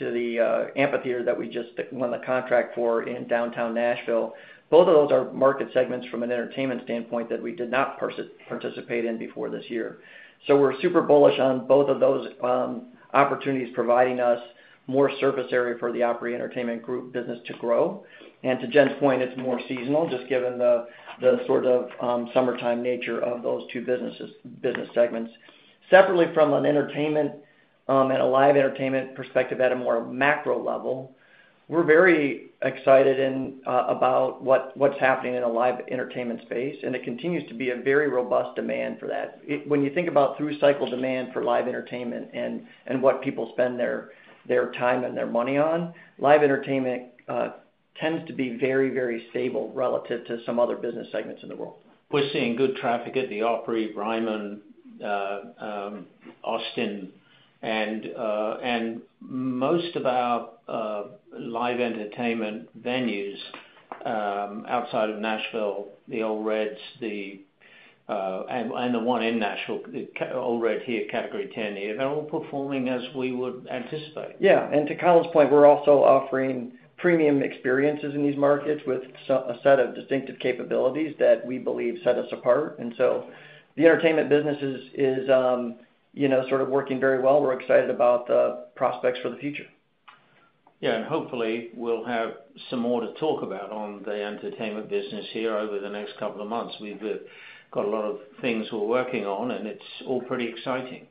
Speaker 6: the amphitheater that we just won the contract for in downtown Nashville, both of those are market segments from an entertainment standpoint that we did not participate in before this year. We are super bullish on both of those opportunities providing us more surface area for the operating entertainment group business to grow. To Jen's point, it's more seasonal, just given the sort of summertime nature of those two business segments. Separately, from an entertainment and a live entertainment perspective at a more macro level, we're very excited about what's happening in the live entertainment space. It continues to be a very robust demand for that. When you think about through-cycle demand for live entertainment and what people spend their time and their money on, live entertainment tends to be very, very stable relative to some other business segments in the world.
Speaker 2: We're seeing good traffic at the Opry, Ryman, Austin, and most of our live entertainment venues outside of Nashville, the Ole Reds, and the one in Nashville, Ole Red here, Category 10 here, they're all performing as we would anticipate.
Speaker 6: Yeah, to Colin's point, we're also offering premium experiences in these markets with a set of distinctive capabilities that we believe set us apart. The entertainment business is sort of working very well. We're excited about the prospects for the future.
Speaker 2: Hopefully, we'll have some more to talk about on the entertainment business here over the next couple of months. We've got a lot of things we're working on, and it's all pretty exciting.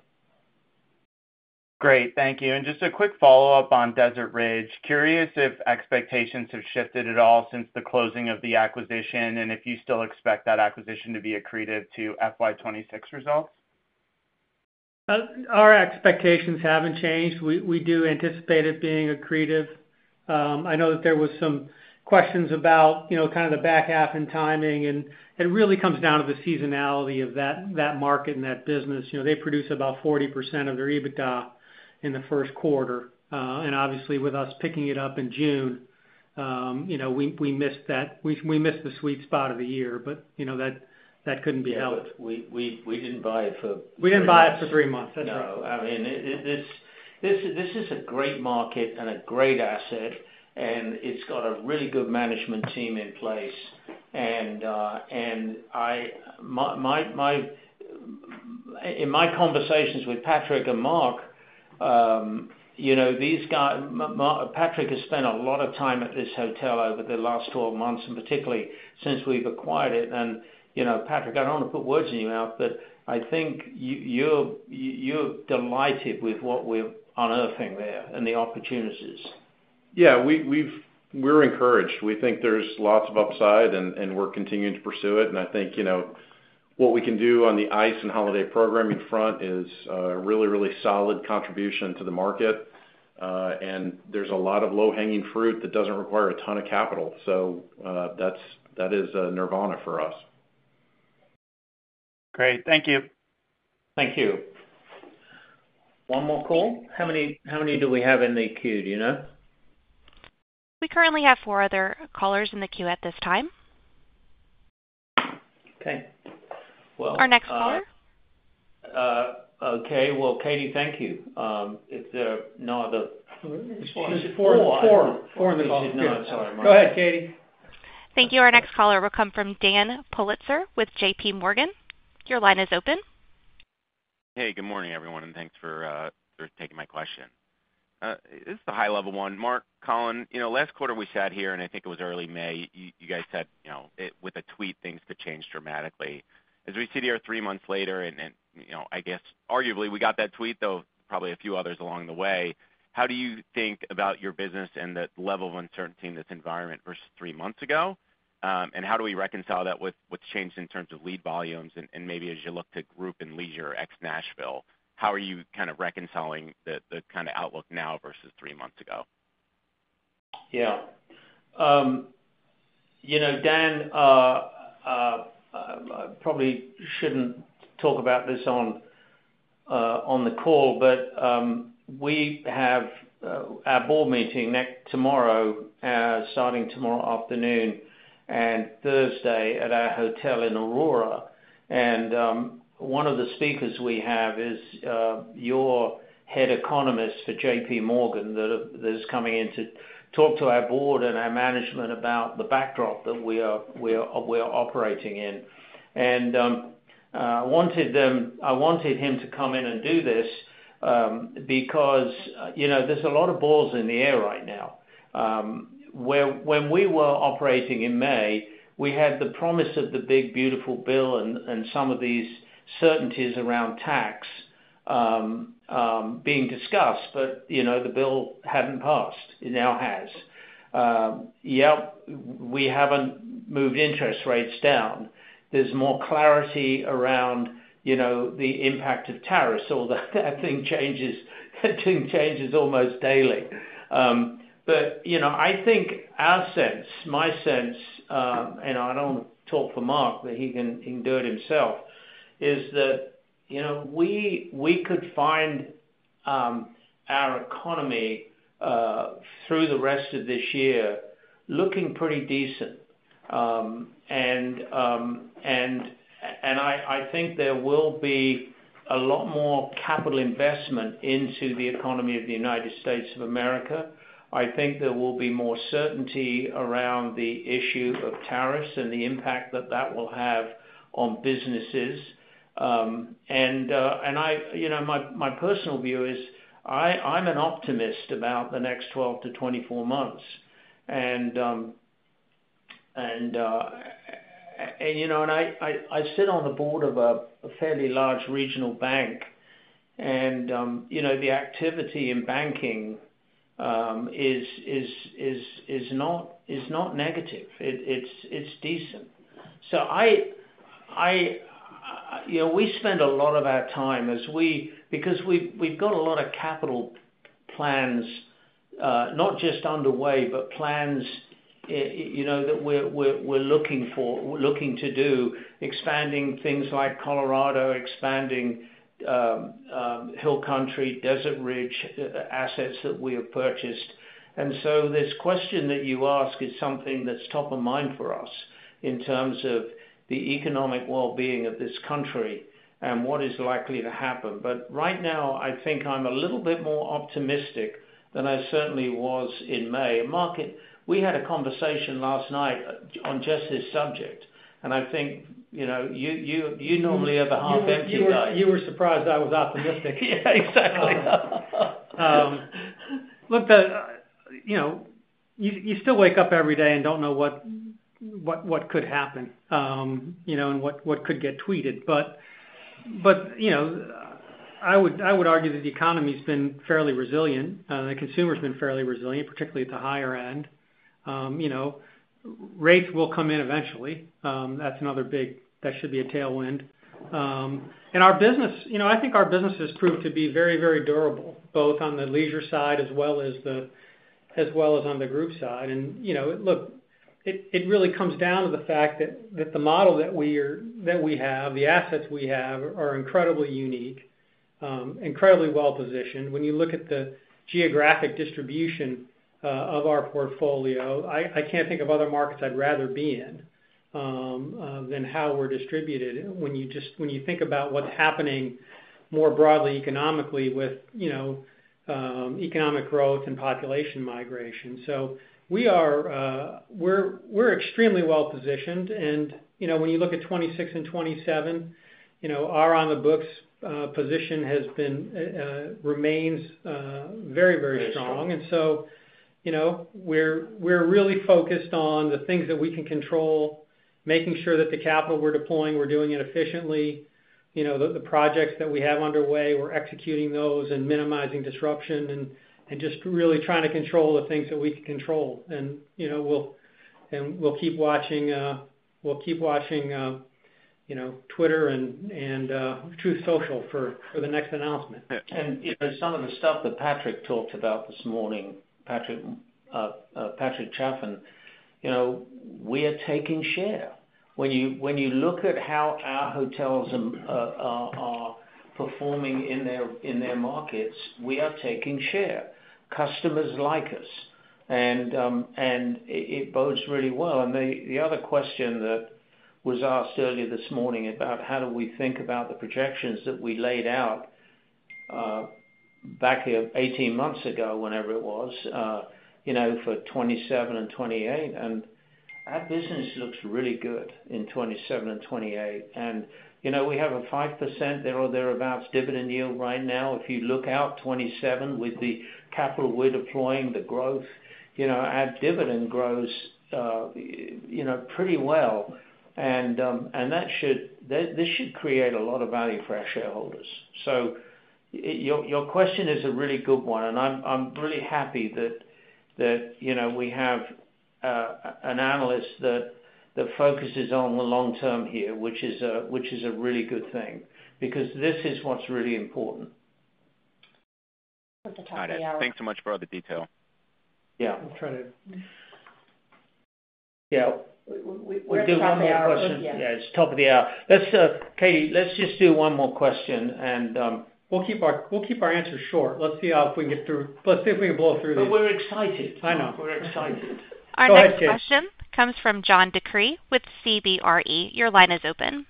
Speaker 11: Great, thank you. Just a quick follow-up on Desert Ridge. Curious if expectations have shifted at all since the closing of the acquisition, and if you still expect that acquisition to be accretive to FY 2026 results.
Speaker 3: Our expectations haven't changed. We do anticipate it being accretive. I know that there were some questions about, you know, kind of the back half and timing, and it really comes down to the seasonality of that market and that business. They produce about 40% of their EBITDA in the First Quarter. Obviously, with us picking it up in June, we missed that. We missed the sweet spot of the year, but you know, that couldn't be helped.
Speaker 2: We didn't buy it for.
Speaker 3: We didn't buy it for three months.
Speaker 2: No, I mean, this is a great market and a great asset, and it's got a really good management team in place. In my conversations with Patrick and Mark, you know, Patrick has spent a lot of time at this hotel over the last 12 months, particularly since we've acquired it. Patrick, I don't want to put words in your mouth, but I think you're delighted with what we're unearthing there and the opportunities.
Speaker 6: Yeah, we're encouraged. We think there's lots of upside, and we're continuing to pursue it. I think what we can do on the ice and holiday programming front is a really, really solid contribution to the market. There's a lot of low-hanging fruit that doesn't require a ton of capital. That is a nirvana for us.
Speaker 11: Great, thank you.
Speaker 2: Thank you. One more call. How many do we have in the queue? Do you know?
Speaker 4: We currently have four other callers in the queue at this time.
Speaker 2: Okay.
Speaker 4: Our next caller.
Speaker 2: Okay. Katie, thank you. If there are no other.
Speaker 3: There's four in the call.
Speaker 2: No, I'm sorry. Go ahead, Katie.
Speaker 4: Thank you. Our next caller will come from Daniel Politzer with JPMorgan. Your line is open.
Speaker 12: Hey, good morning, everyone, and thanks for taking my question. This is the high-level one. Mark, Colin, last quarter we sat here, and I think it was early May, you guys said, with a tweet, things could change dramatically. As we sit here three months later, I guess arguably we got that tweet, though probably a few others along the way. How do you think about your business and the level of uncertainty in this environment versus three months ago? How do we reconcile that with what's changed in terms of lead volumes? Maybe as you look to group and leisure ex-Nashville, how are you kind of reconciling the kind of outlook now versus three months ago?
Speaker 2: Yeah. You know, Dan probably shouldn't talk about this on the call, but we have our board meeting starting tomorrow afternoon and Thursday at our hotel in Aurora. One of the speakers we have is your head economist for JPMorgan that is coming in to talk to our board and our management about the backdrop that we are operating in. I wanted him to come in and do this because, you know, there's a lot of balls in the air right now. When we were operating in May, we had the promise of the big, beautiful bill and some of these certainties around tax being discussed, but the bill hadn't passed. It now has. We haven't moved interest rates down. There's more clarity around the impact of tariffs. That thing changes almost daily. I think our sense, my sense, and I don't want to talk for Mark, but he can do it himself, is that we could find our economy through the rest of this year looking pretty decent. I think there will be a lot more capital investment into the economy of the United States of America. I think there will be more certainty around the issue of tariffs and the impact that that will have on businesses. My personal view is I'm an optimist about the next 12 to 24 months. I sit on the board of a fairly large regional bank, and the activity in banking is not negative. It's decent. We spend a lot of our time as we, because we've got a lot of capital plans, not just underway, but plans that we're looking for, looking to do, expanding things like Colorado, expanding Hill Country, Desert Ridge assets that we have purchased. This question that you ask is something that's top of mind for us in terms of the economic well-being of this country and what is likely to happen. Right now, I think I'm a little bit more optimistic than I certainly was in May. Mark, we had a conversation last night on just this subject. I think you normally have a half-empty diet.
Speaker 3: You were surprised I was optimistic. Yeah, exactly. Look, you know, you still wake up every day and don't know what could happen, you know, and what could get tweeted. I would argue that the economy's been fairly resilient. The consumer's been fairly resilient, particularly at the higher end. You know, rates will come in eventually. That's another big, that should be a tailwind. Our business, you know, I think our business has proved to be very, very durable, both on the leisure side as well as on the group side. It really comes down to the fact that the model that we have, the assets we have, are incredibly unique, incredibly well positioned. When you look at the geographic distribution of our portfolio, I can't think of other markets I'd rather be in than how we're distributed when you think about what's happening more broadly economically with, you know, economic growth and population migration. We are, we're extremely well positioned. When you look at 2026 and 2027, you know, our on-the-books position has been, remains very, very strong. We are really focused on the things that we can control, making sure that the capital we're deploying, we're doing it efficiently. The projects that we have underway, we're executing those and minimizing disruption and just really trying to control the things that we can control. We'll keep watching, you know, Twitter and Truth Social for the next announcement.
Speaker 2: Some of the stuff that Patrick talked about this morning, Patrick Chaffin, you know, we are taking share. When you look at how our hotels are performing in their markets, we are taking share. Customers like us. It bodes really well. The other question that was asked earlier this morning about how do we think about the projections that we laid out back 18 months ago, whenever it was, you know, for 2027 and 2028. Our business looks really good in 2027 and 2028. We have a 5% there or thereabouts dividend yield right now. If you look out 2027 with the capital we're deploying, the growth, you know, our dividend grows, you know, pretty well. That should create a lot of value for our shareholders. Your question is a really good one. I'm really happy that, you know, we have an analyst that focuses on the long term here, which is a really good thing because this is what's really important.
Speaker 1: We're at the top of the hour.
Speaker 12: Thanks so much for all the detail.
Speaker 2: Yeah.
Speaker 3: We'll try to.
Speaker 2: Yeah, we'll do one more question. It's top of the hour. Katie, let's just do one more question and we'll keep our answers short. Let's see if we can get through. Let's see if we can blow through this.
Speaker 3: We're excited.
Speaker 2: I know. We're excited.
Speaker 4: Our next question comes from John DeCree with CBRE. Your line is open.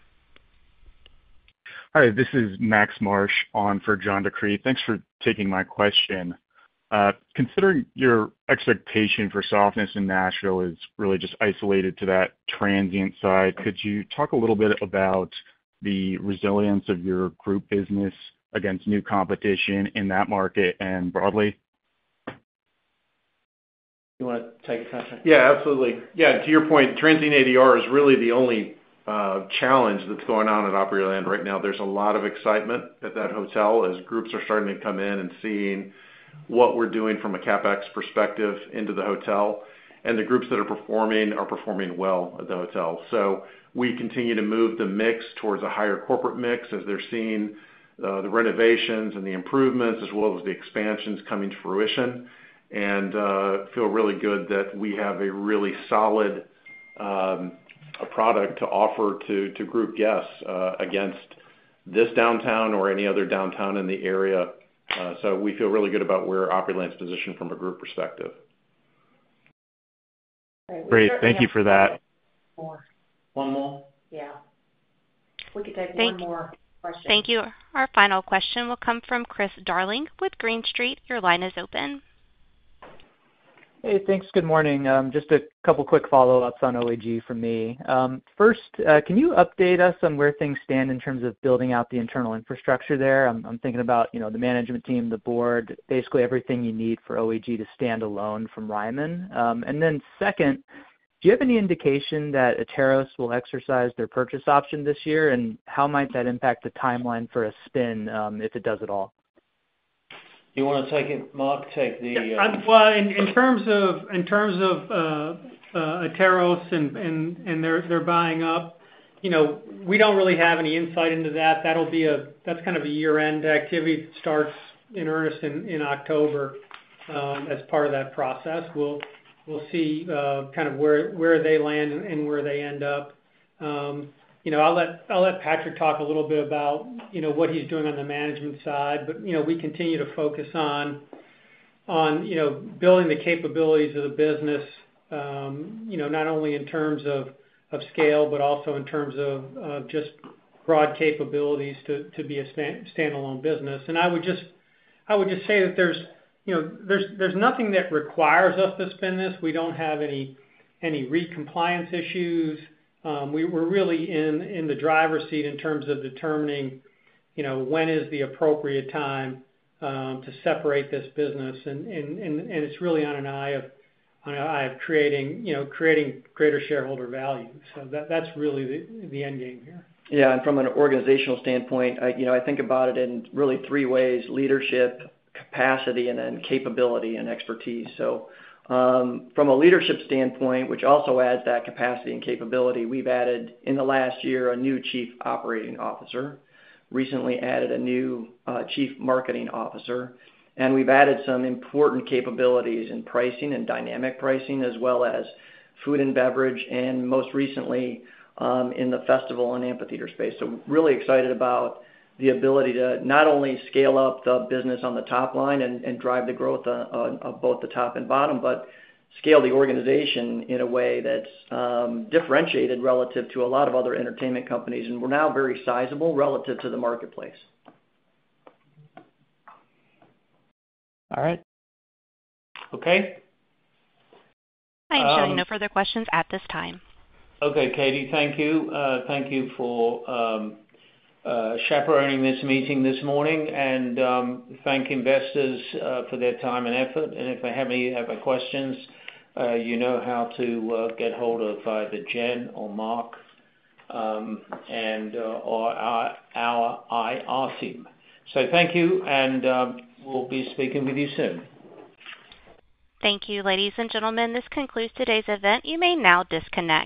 Speaker 13: Hi, this is Max Marsh on for John DeCree. Thanks for taking my question. Considering your expectation for softness in Nashville is really just isolated to that transient side, could you talk a little bit about the resilience of your group business against new competition in that market and broadly?
Speaker 2: You want to take that?
Speaker 6: Yeah, absolutely. To your point, transient ADR is really the only challenge that's going on at Gaylord Opryland right now. There's a lot of excitement at that hotel as groups are starting to come in and seeing what we're doing from a CapEx perspective into the hotel. The groups that are performing are performing well at the hotel. We continue to move the mix towards a higher corporate mix as they're seeing the renovations and the improvements as well as the expansions coming to fruition. I feel really good that we have a really solid product to offer to group guests against this downtown or any other downtown in the area. We feel really good about where Gaylord Opryland's positioned from a group perspective.
Speaker 13: Great. Thank you for that.
Speaker 2: One more.
Speaker 1: Yeah, we could take one more question.
Speaker 4: Thank you. Our final question will come from Chris Darling with Green Street. Your line is open.
Speaker 14: Hey, thanks. Good morning. Just a couple of quick follow-ups on OEG from me. First, can you update us on where things stand in terms of building out the internal infrastructure there? I'm thinking about the management team, the board, basically everything you need for OEG to stand alone from Ryman. Second, do you have any indication that Ateros will exercise their purchase option this year and how might that impact the timeline for a spin if it does at all?
Speaker 2: You want to take it, Mark? Take the.
Speaker 3: In terms of Ateros and their buying up, you know, we don't really have any insight into that. That'll be a, that's kind of a year-end activity that starts in earnest in October as part of that process. We'll see kind of where they land and where they end up. I'll let Patrick talk a little bit about what he's doing on the management side, but we continue to focus on building the capabilities of the business, not only in terms of scale, but also in terms of just broad capabilities to be a standalone business. I would just say that there's nothing that requires us to spin this. We don't have any re-compliance issues. We're really in the driver's seat in terms of determining when is the appropriate time to separate this business. It's really on an eye of creating greater shareholder value. That's really the endgame here.
Speaker 6: Yeah, and from an organizational standpoint, I think about it in really three ways: leadership, capacity, and then capability and expertise. From a leadership standpoint, which also adds that capacity and capability, we've added in the last year a new Chief Operating Officer, recently added a new Chief Marketing Officer, and we've added some important capabilities in pricing and dynamic pricing, as well as food and beverage, and most recently in the festival and amphitheater space. We're really excited about the ability to not only scale up the business on the top line and drive the growth of both the top and bottom, but scale the organization in a way that's differentiated relative to a lot of other entertainment companies. We're now very sizable relative to the marketplace.
Speaker 3: All right. Okay.
Speaker 4: I'm sure there are no further questions at this time.
Speaker 2: Okay, Katie, thank you. Thank you for chaperoning this meeting this morning. Thank investors for their time and effort. If they have any other questions, you know how to get hold of either Jen or Mark and/or our Aisim. Thank you, and we'll be speaking with you soon.
Speaker 4: Thank you, ladies and gentlemen. This concludes today's event. You may now disconnect.